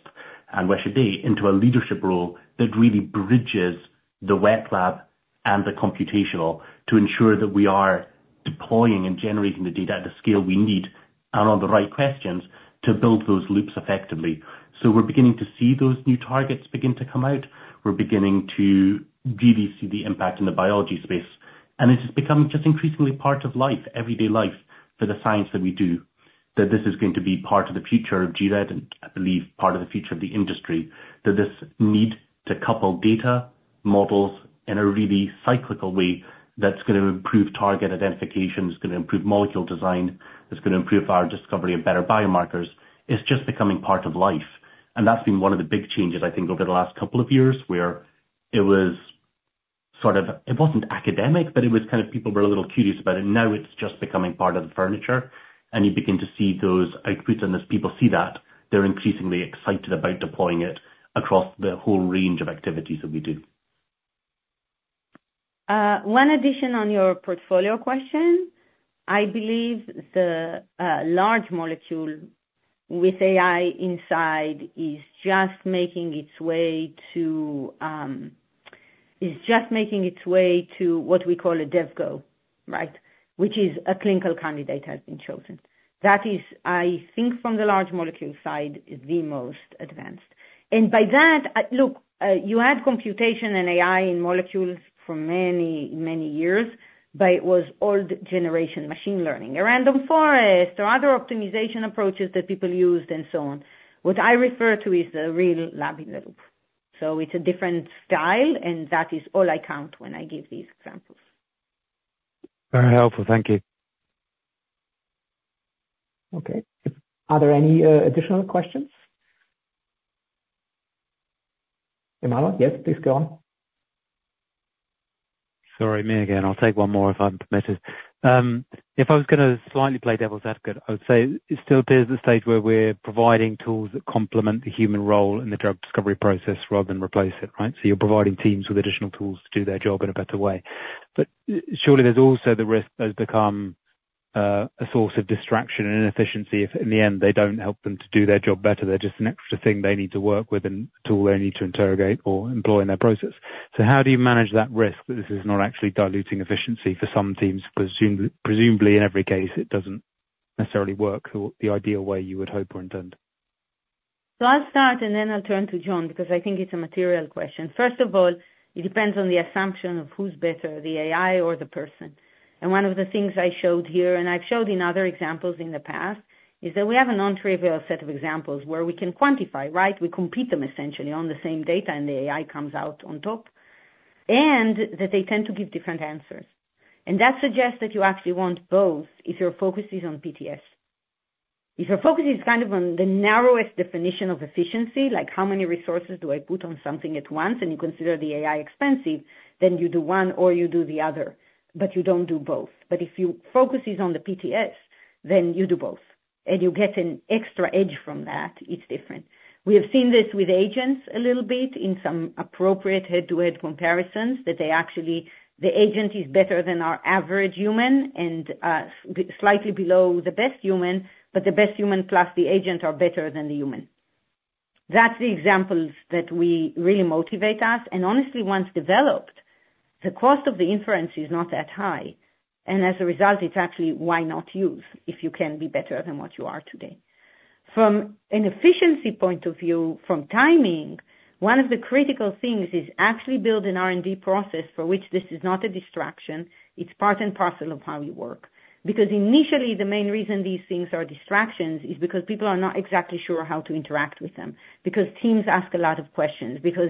Anwesha Dey, into a leadership role that really bridges the wet lab and the computational to ensure that we are deploying and generating the data at the scale we need and on the right questions to build those loops effectively. So we're beginning to see those new targets begin to come out. We're beginning to really see the impact in the biology space. It is becoming just increasingly part of life, everyday life for the science that we do, that this is going to be part of the future of GRED and, I believe, part of the future of the industry, that this need to couple data models in a really cyclical way that's going to improve target identification, is going to improve molecule design, is going to improve our discovery of better biomarkers, is just becoming part of life. That's been one of the big changes, I think, over the last couple of years where it was sort of, it wasn't academic, but it was kind of people were a little curious about it. Now it's just becoming part of the furniture, and you begin to see those outputs, and as people see that, they're increasingly excited about deploying it across the whole range of activities that we do. One addition on your portfolio question. I believe the large molecule with AI inside is just making its way to what we call a Dev Go, right, which is a clinical candidate has been chosen. That is, I think, from the large molecule side, the most advanced. And by that, look, you had computation and AI in molecules for many, many years, but it was old generation machine learning, a random forest or other optimization approaches that people used, and so on. What I refer to is the real lab in the loop. So it's a different style, and that is all I count when I give these examples. Very helpful. Thank you. Okay. Are there any additional questions? Emmanuel, yes, please go on. Sorry, me again. I'll take one more if I'm permitted. If I was going to slightly play devil's advocate, I would say it still appears at the stage where we're providing tools that complement the human role in the drug discovery process rather than replace it, right? So you're providing teams with additional tools to do their job in a better way. But surely there's also the risk that they've become a source of distraction and inefficiency if in the end, they don't help them to do their job better. They're just an extra thing they need to work with and a tool they need to interrogate or employ in their process. So how do you manage that risk that this is not actually diluting efficiency for some teams? Presumably, in every case, it doesn't necessarily work the ideal way you would hope or intend. So I'll start, and then I'll turn to John because I think it's a material question. First of all, it depends on the assumption of who's better, the AI or the person. And one of the things I showed here, and I've showed in other examples in the past, is that we have a non-trivial set of examples where we can quantify, right? We compete them essentially on the same data, and the AI comes out on top, and that they tend to give different answers. And that suggests that you actually want both if your focus is on PTS. If your focus is kind of on the narrowest definition of efficiency, like how many resources do I put on something at once, and you consider the AI expensive, then you do one or you do the other, but you don't do both. But if your focus is on the PTS, then you do both, and you get an extra edge from that. It's different. We have seen this with agents a little bit in some appropriate head-to-head comparisons that they actually the agent is better than our average human and slightly below the best human, but the best human plus the agent are better than the human. That's the examples that really motivate us. And honestly, once developed, the cost of the inference is not that high. And as a result, it's actually, why not use if you can be better than what you are today? From an efficiency point of view, from timing, one of the critical things is actually building an R&D process for which this is not a distraction. It's part and parcel of how you work. Because initially, the main reason these things are distractions is because people are not exactly sure how to interact with them, because teams ask a lot of questions, because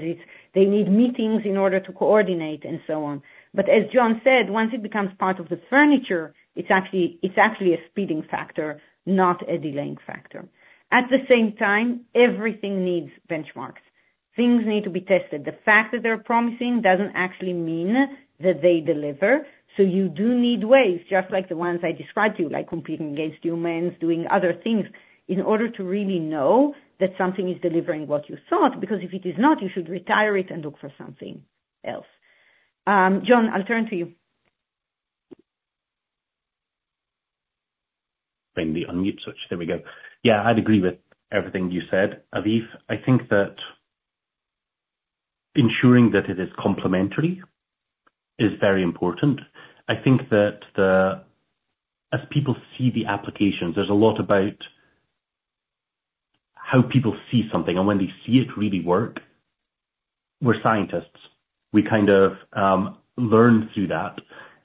they need meetings in order to coordinate and so on. But as John said, once it becomes part of the furniture, it's actually a speeding factor, not a delaying factor. At the same time, everything needs benchmarks. Things need to be tested. The fact that they're promising doesn't actually mean that they deliver. So you do need ways, just like the ones I described to you, like competing against humans, doing other things in order to really know that something is delivering what you thought, because if it is not, you should retire it and look for something else. John, I'll turn to you. I'm going to unmute switch. There we go. Yeah, I'd agree with everything you said, Avi. I think that ensuring that it is complementary is very important. I think that as people see the applications, there's a lot about how people see something and when they see it really work. We're scientists. We kind of learn through that,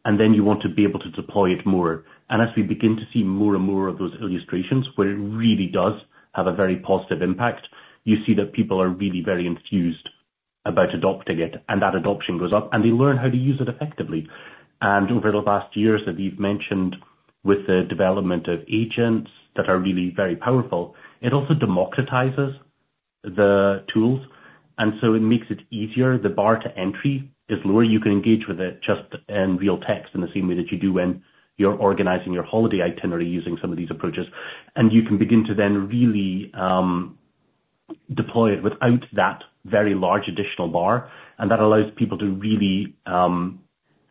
and then you want to be able to deploy it more. And as we begin to see more and more of those illustrations where it really does have a very positive impact, you see that people are really very enthused about adopting it, and that adoption goes up, and they learn how to use it effectively. And over the last years that we've mentioned with the development of agents that are really very powerful, it also democratizes the tools, and so it makes it easier. The bar to entry is lower. You can engage with it just in real text in the same way that you do when you're organizing your holiday itinerary using some of these approaches. And you can begin to then really deploy it without that very large additional bar. And that allows people to really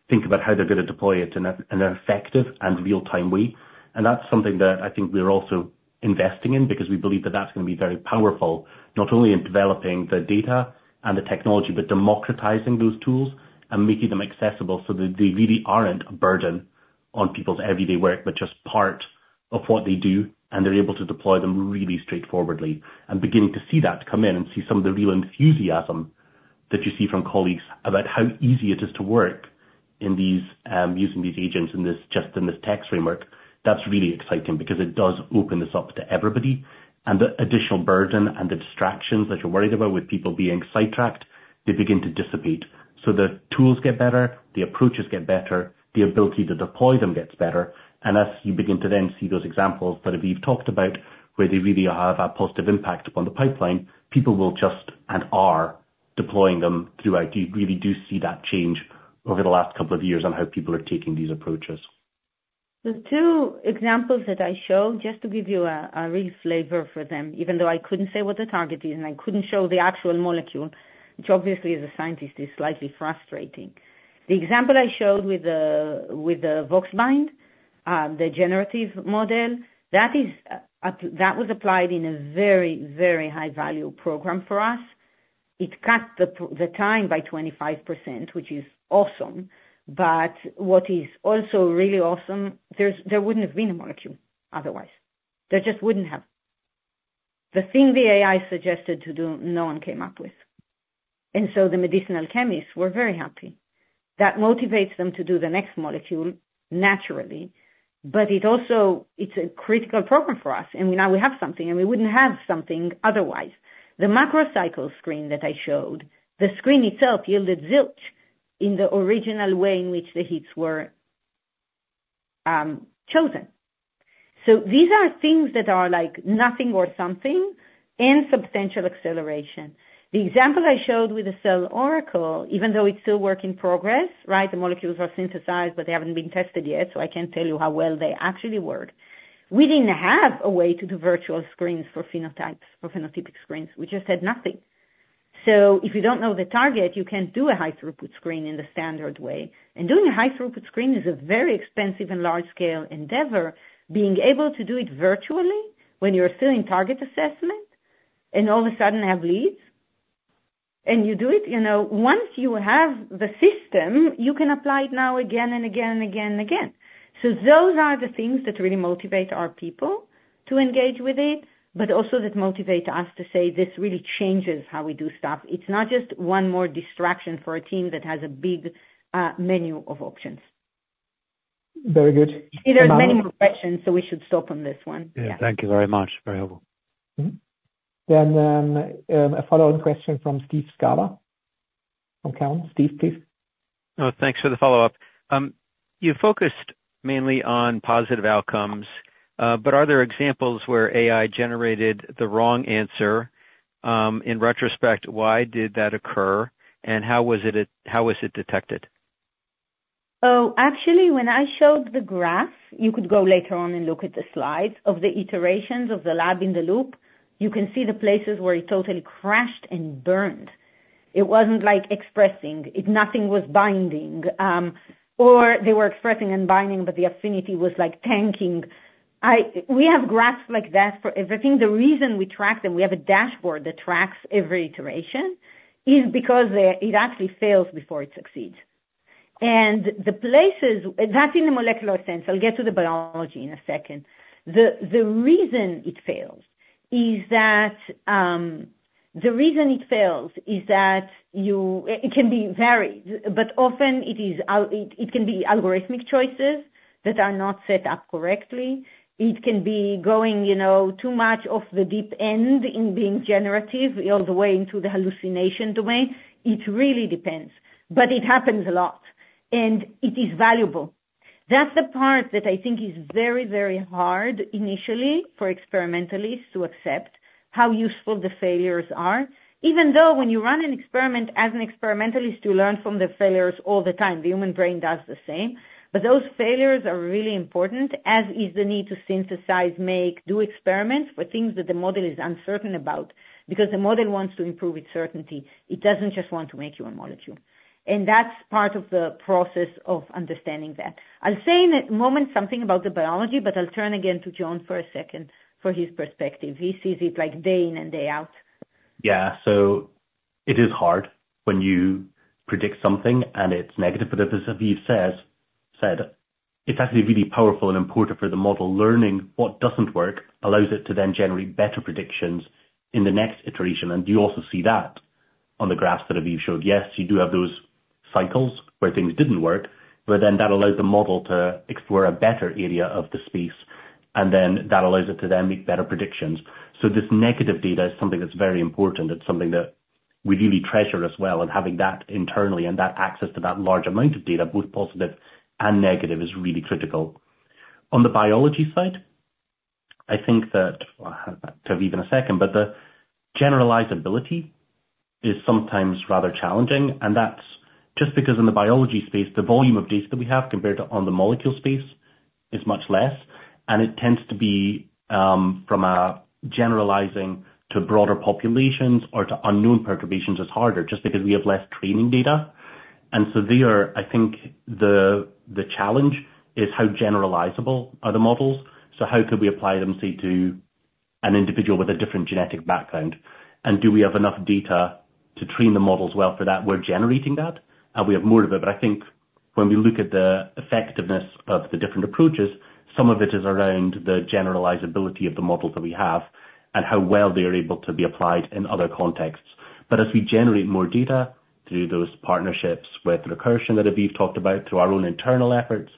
think about how they're going to deploy it in an effective and real-time way. And that's something that I think we're also investing in because we believe that that's going to be very powerful, not only in developing the data and the technology, but democratizing those tools and making them accessible so that they really aren't a burden on people's everyday work, but just part of what they do, and they're able to deploy them really straightforwardly. And beginning to see that come in and see some of the real enthusiasm that you see from colleagues about how easy it is to work using these agents just in this tech framework, that's really exciting because it does open this up to everybody. And the additional burden and the distractions that you're worried about with people being sidetracked, they begin to dissipate. So the tools get better, the approaches get better, the ability to deploy them gets better. And as you begin to then see those examples that we've talked about where they really have a positive impact upon the pipeline, people will just and are deploying them throughout. You really do see that change over the last couple of years on how people are taking these approaches. The two examples that I showed, just to give you a real flavor for them, even though I couldn't say what the target is and I couldn't show the actual molecule, which obviously as a scientist is slightly frustrating. The example I showed with the VoxBind, the generative model, that was applied in a very, very high-value program for us. It cut the time by 25%, which is awesome, but what is also really awesome, there wouldn't have been a molecule otherwise. There just wouldn't have. The thing the AI suggested to do, no one came up with. And so the medicinal chemists were very happy. That motivates them to do the next molecule naturally, but it's a critical program for us, and now we have something, and we wouldn't have something otherwise. The macrocycle screen that I showed, the screen itself yielded zilch in the original way in which the heats were chosen, so these are things that are like nothing or something and substantial acceleration. The example I showed with the CellOracle, even though it's still work in progress, right? The molecules are synthesized, but they haven't been tested yet, so I can't tell you how well they actually work. We didn't have a way to do virtual screens for phenotypes, for phenotypic screens. We just had nothing, so if you don't know the target, you can't do a high-throughput screen in the standard way, and doing a high-throughput screen is a very expensive and large-scale endeavor, being able to do it virtually when you're still in target assessment and all of a sudden have leads, and you do it. Once you have the system, you can apply it now again and again and again and again. So those are the things that really motivate our people to engage with it, but also that motivate us to say this really changes how we do stuff. It's not just one more distraction for a team that has a big menu of options. Very good. There are many more questions, so we should stop on this one. Yeah. Thank you very much. Very helpful. Then a follow-on question from Steve Scala from Cowen. Steve, please. Thanks for the follow-up. You focused mainly on positive outcomes, but are there examples where AI generated the wrong answer? In retrospect, why did that occur, and how was it detected? Oh, actually, when I showed the graph, you could go later on and look at the slides of the iterations of the lab in the loop. You can see the places where it totally crashed and burned. It wasn't like expressing. Nothing was binding. Or they were expressing and binding, but the affinity was like tanking. We have graphs like that for everything. The reason we track them, we have a dashboard that tracks every iteration is because it actually fails before it succeeds. And that's in the molecular sense. I'll get to the biology in a second. The reason it fails is that it can be varied, but often it can be algorithmic choices that are not set up correctly. It can be going too much off the deep end in being generative all the way into the hallucination domain. It really depends, but it happens a lot, and it is valuable. That's the part that I think is very, very hard initially for experimentalists to accept how useful the failures are, even though when you run an experiment as an experimentalist, you learn from the failures all the time. The human brain does the same. But those failures are really important, as is the need to synthesize, make, do experiments for things that the model is uncertain about because the model wants to improve with certainty. It doesn't just want to make you a molecule. And that's part of the process of understanding that. I'll say in a moment something about the biology, but I'll turn again to John for a second for his perspective. He sees it like day in and day out. Yeah. So it is hard when you predict something and it's negative, but as Avi said, it's actually really powerful and important for the model. Learning what doesn't work allows it to then generate better predictions in the next iteration, and you also see that on the graphs that Avi showed. Yes, you do have those cycles where things didn't work, but then that allowed the model to explore a better area of the space, and then that allows it to then make better predictions, so this negative data is something that's very important. It's something that we really treasure as well, and having that internally and that access to that large amount of data, both positive and negative, is really critical. On the biology side, I think that I'll have to have even a second, but the generalizability is sometimes rather challenging. That's just because in the biology space, the volume of data that we have compared to on the molecule space is much less, and it tends to be from generalizing to broader populations or to unknown perturbations is harder just because we have less training data. So there, I think the challenge is how generalizable are the models. So how could we apply them, say, to an individual with a different genetic background? And do we have enough data to train the models well for that? We're generating that, and we have more of it. But I think when we look at the effectiveness of the different approaches, some of it is around the generalizability of the models that we have and how well they are able to be applied in other contexts. But as we generate more data through those partnerships with Recursion that Avi talked about, through our own internal efforts,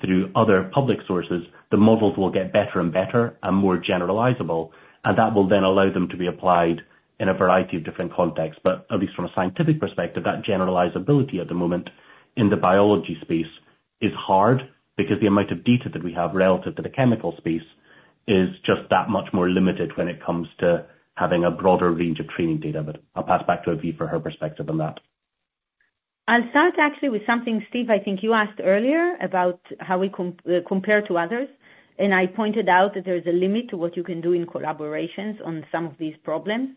through other public sources, the models will get better and better and more generalizable, and that will then allow them to be applied in a variety of different contexts. But at least from a scientific perspective, that generalizability at the moment in the biology space is hard because the amount of data that we have relative to the chemical space is just that much more limited when it comes to having a broader range of training data. But I'll pass back to Avi for her perspective on that. I'll start actually with something, Steve, I think you asked earlier about how we compare to others. And I pointed out that there is a limit to what you can do in collaborations on some of these problems.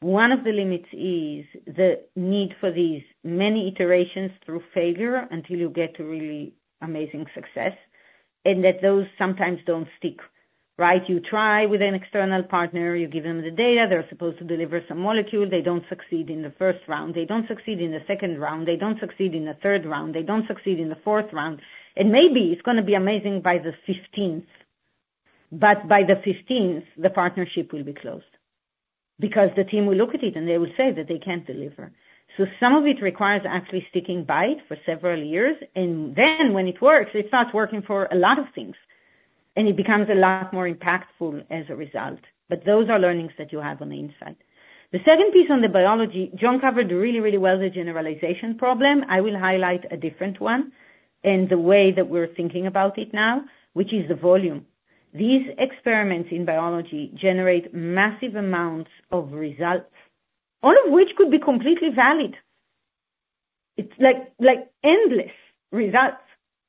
One of the limits is the need for these many iterations through failure until you get to really amazing success and that those sometimes don't stick, right? You try with an external partner, you give them the data, they're supposed to deliver some molecule, they don't succeed in the first round, they don't succeed in the second round, they don't succeed in the third round, they don't succeed in the fourth round, and maybe it's going to be amazing by the 15th, but by the 15th, the partnership will be closed because the team will look at it and they will say that they can't deliver, so some of it requires actually sticking by it for several years, and then when it works, it starts working for a lot of things, and it becomes a lot more impactful as a result. But those are learnings that you have on the inside. The second piece on the biology, John covered really, really well the generalization problem. I will highlight a different one and the way that we're thinking about it now, which is the volume. These experiments in biology generate massive amounts of results, all of which could be completely valid. It's like endless results.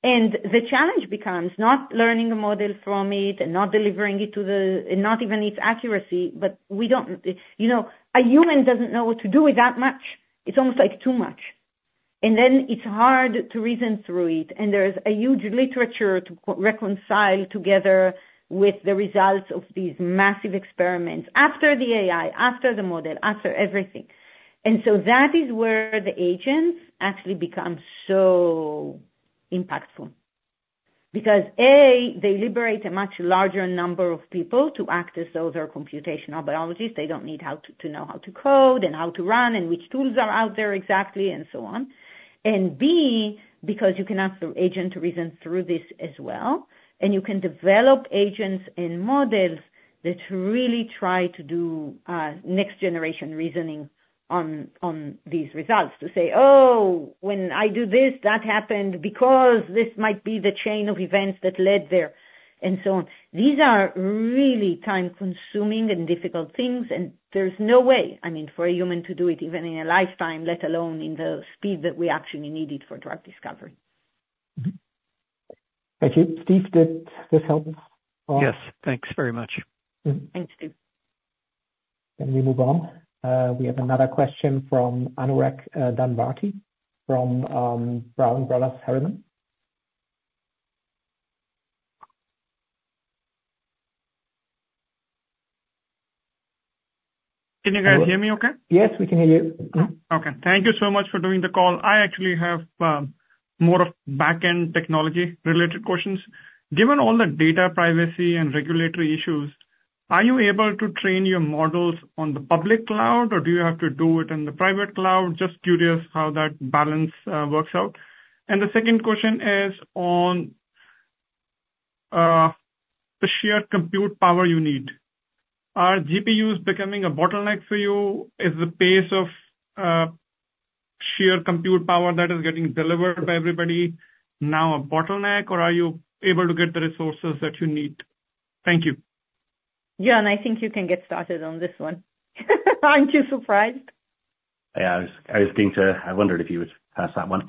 And the challenge becomes not learning a model from it and not delivering it to the not even its accuracy, but we don't a human doesn't know what to do with that much. It's almost like too much. And then it's hard to reason through it. And there's a huge literature to reconcile together with the results of these massive experiments after the AI, after the model, after everything. So that is where the agents actually become so impactful because A, they liberate a much larger number of people to act as though they're computational biologists. They don't need to know how to code and how to run and which tools are out there exactly and so on. And B, because you can ask the agent to reason through this as well, and you can develop agents and models that really try to do next-generation reasoning on these results to say, "Oh, when I do this, that happened because this might be the chain of events that led there," and so on. These are really time-consuming and difficult things, and there's no way, I mean, for a human to do it even in a lifetime, let alone in the speed that we actually needed for drug discovery. Thank you. Steve, did this help? Yes. Thanks very much. Thanks, Steve. Can we move on? We have another question from Anurag Dhanwantri from Brown Brothers Harriman. Can you guys hear me okay? Yes, we can hear you. Okay. Thank you so much for doing the call. I actually have more back-end technology-related questions. Given all the data privacy and regulatory issues, are you able to train your models on the public cloud, or do you have to do it in the private cloud? Just curious how that balance works out. And the second question is on the sheer compute power you need. Are GPUs becoming a bottleneck for you? Is the pace of sheer compute power that is getting delivered by everybody now a bottleneck, or are you able to get the resources that you need? Thank you. Yeah, and I think you can get started on this one. Aren't you surprised? Yeah, I was going to. I wondered if you would pass that one.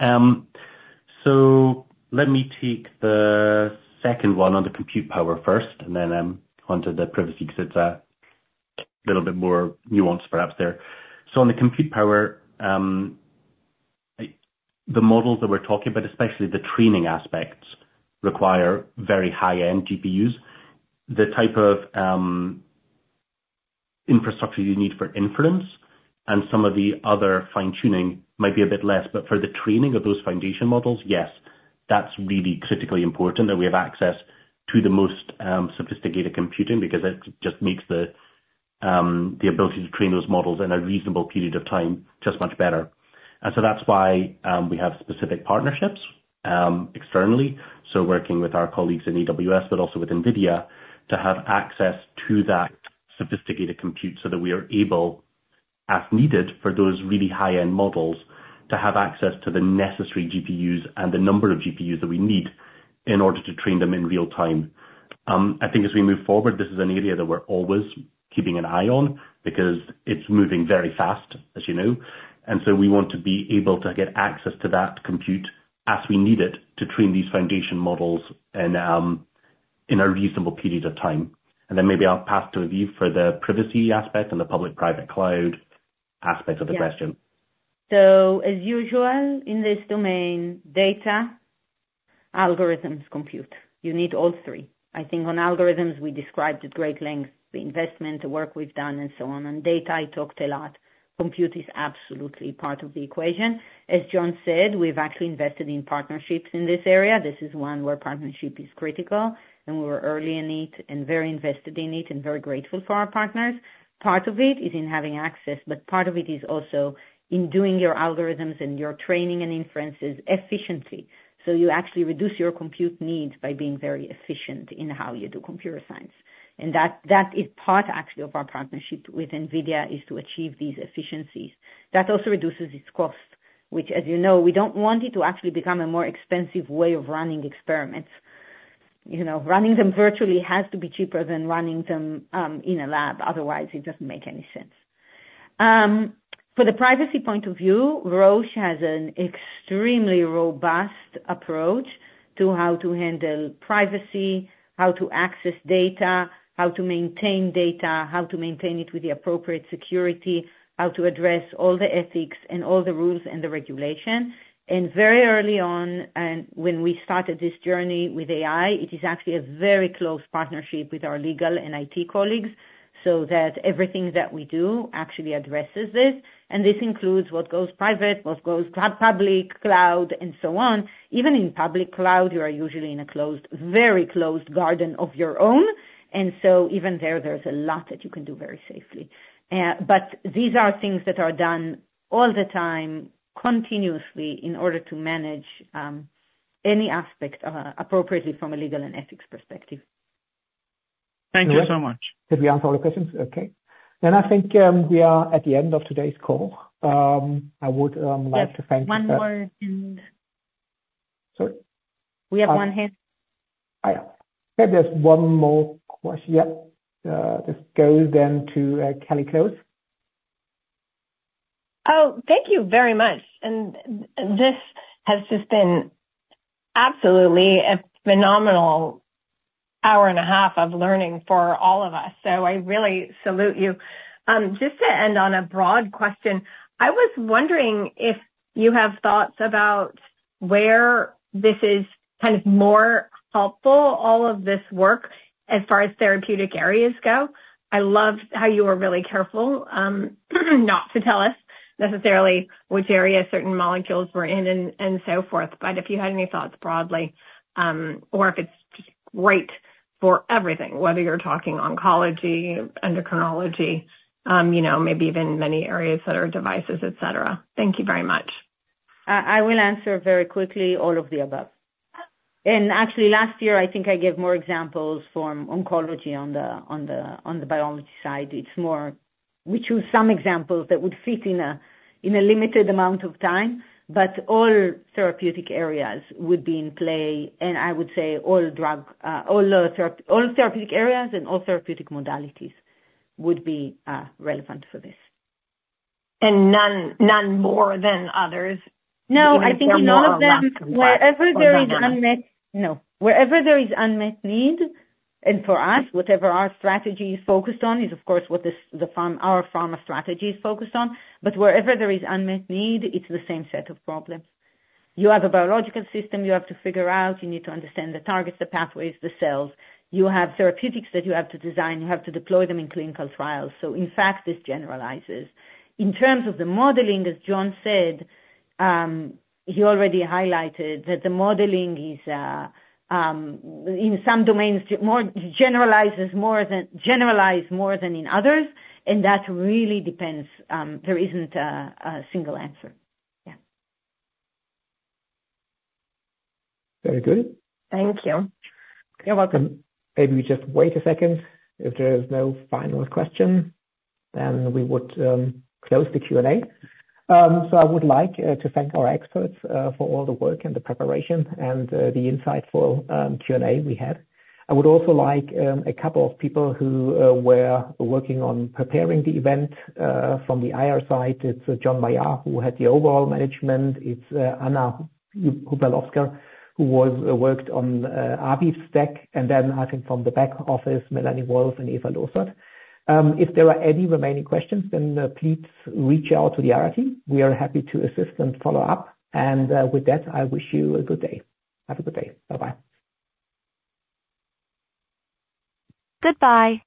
Let me take the second one on the compute power first, and then onto the privacy because it's a little bit more nuanced perhaps there. On the compute power, the models that we're talking about, especially the training aspects, require very high-end GPUs. The type of infrastructure you need for inference and some of the other fine-tuning might be a bit less, but for the training of those foundation models, yes, that's really critically important that we have access to the most sophisticated computing because it just makes the ability to train those models in a reasonable period of time just much better. That's why we have specific partnerships externally. So working with our colleagues in AWS, but also with NVIDIA, to have access to that sophisticated compute so that we are able, as needed for those really high-end models, to have access to the necessary GPUs and the number of GPUs that we need in order to train them in real time. I think as we move forward, this is an area that we're always keeping an eye on because it's moving very fast, as you know. And so we want to be able to get access to that compute as we need it to train these foundation models in a reasonable period of time. And then maybe I'll pass to Avi for the privacy aspect and the public-private cloud aspect of the question. So as usual, in this domain, data, algorithms, compute. You need all three. I think on algorithms, we described at great length the investment, the work we've done, and so on. On data, I talked a lot. Compute is absolutely part of the equation. As John said, we've actually invested in partnerships in this area. This is one where partnership is critical, and we were early in it and very invested in it and very grateful for our partners. Part of it is in having access, but part of it is also in doing your algorithms and your training and inferences efficiently. So you actually reduce your compute needs by being very efficient in how you do computer science. And that is part, actually, of our partnership with NVIDIA is to achieve these efficiencies. That also reduces its cost, which, as you know, we don't want it to actually become a more expensive way of running experiments. Running them virtually has to be cheaper than running them in a lab. Otherwise, it doesn't make any sense. For the privacy point of view, Roche has an extremely robust approach to how to handle privacy, how to access data, how to maintain data, how to maintain it with the appropriate security, how to address all the ethics and all the rules and the regulation, and very early on, when we started this journey with AI, it is actually a very close partnership with our legal and IT colleagues so that everything that we do actually addresses this, and this includes what goes private, what goes public, cloud, and so on. Even in public cloud, you are usually in a very closed garden of your own, and so even there, there's a lot that you can do very safely. But these are things that are done all the time, continuously, in order to manage any aspect appropriately from a legal and ethics perspective. Thank you so much. Did we answer all the questions? Okay. Then I think we are at the end of today's call. I would like to thank you. One more thing. Sorry. We have one hit. Maybe there's one more question. Yeah. This goes then to Kelly Close. Oh, thank you very much. And this has just been absolutely a phenomenal hour and a half of learning for all of us. So I really salute you. Just to end on a broad question, I was wondering if you have thoughts about where this is kind of more helpful, all of this work, as far as therapeutic areas go. I loved how you were really careful not to tell us necessarily which area certain molecules were in and so forth, but if you had any thoughts broadly, or if it's just great for everything, whether you're talking oncology, endocrinology, maybe even many areas that are devices, etc. Thank you very much. I will answer very quickly all of the above. Actually, last year, I think I gave more examples from oncology on the biology side. It's more we chose some examples that would fit in a limited amount of time, but all therapeutic areas would be in play, and I would say all therapeutic areas and all therapeutic modalities would be relevant for this. None more than others. No, I think none of them wherever there is unmet no. Wherever there is unmet need, and for us, whatever our strategy is focused on is, of course, what our pharma strategy is focused on. But wherever there is unmet need, it's the same set of problems. You have a biological system you have to figure out. You need to understand the targets, the pathways, the cells. You have therapeutics that you have to design. You have to deploy them in clinical trials. So in fact, this generalizes. In terms of the modeling, as John said, he already highlighted that the modeling in some domains generalizes more than in others, and that really depends. There isn't a single answer. Yeah. Very good. Thank you. You're welcome. Maybe we just wait a second. If there is no final question, then we would close the Q&A. So I would like to thank our experts for all the work and the preparation and the insightful Q&A we had. I would also like a couple of people who were working on preparing the event from the IR side. It's Jon Meyer, who had the overall management. It's Anna Hubelovska, who worked on Avi's deck. And then I think from the back office, Melanie Wolf and Eva Losert. If there are any remaining questions, then please reach out to the IR team. We are happy to assist and follow up. And with that, I wish you a good day. Have a good day. Bye-bye. Goodbye.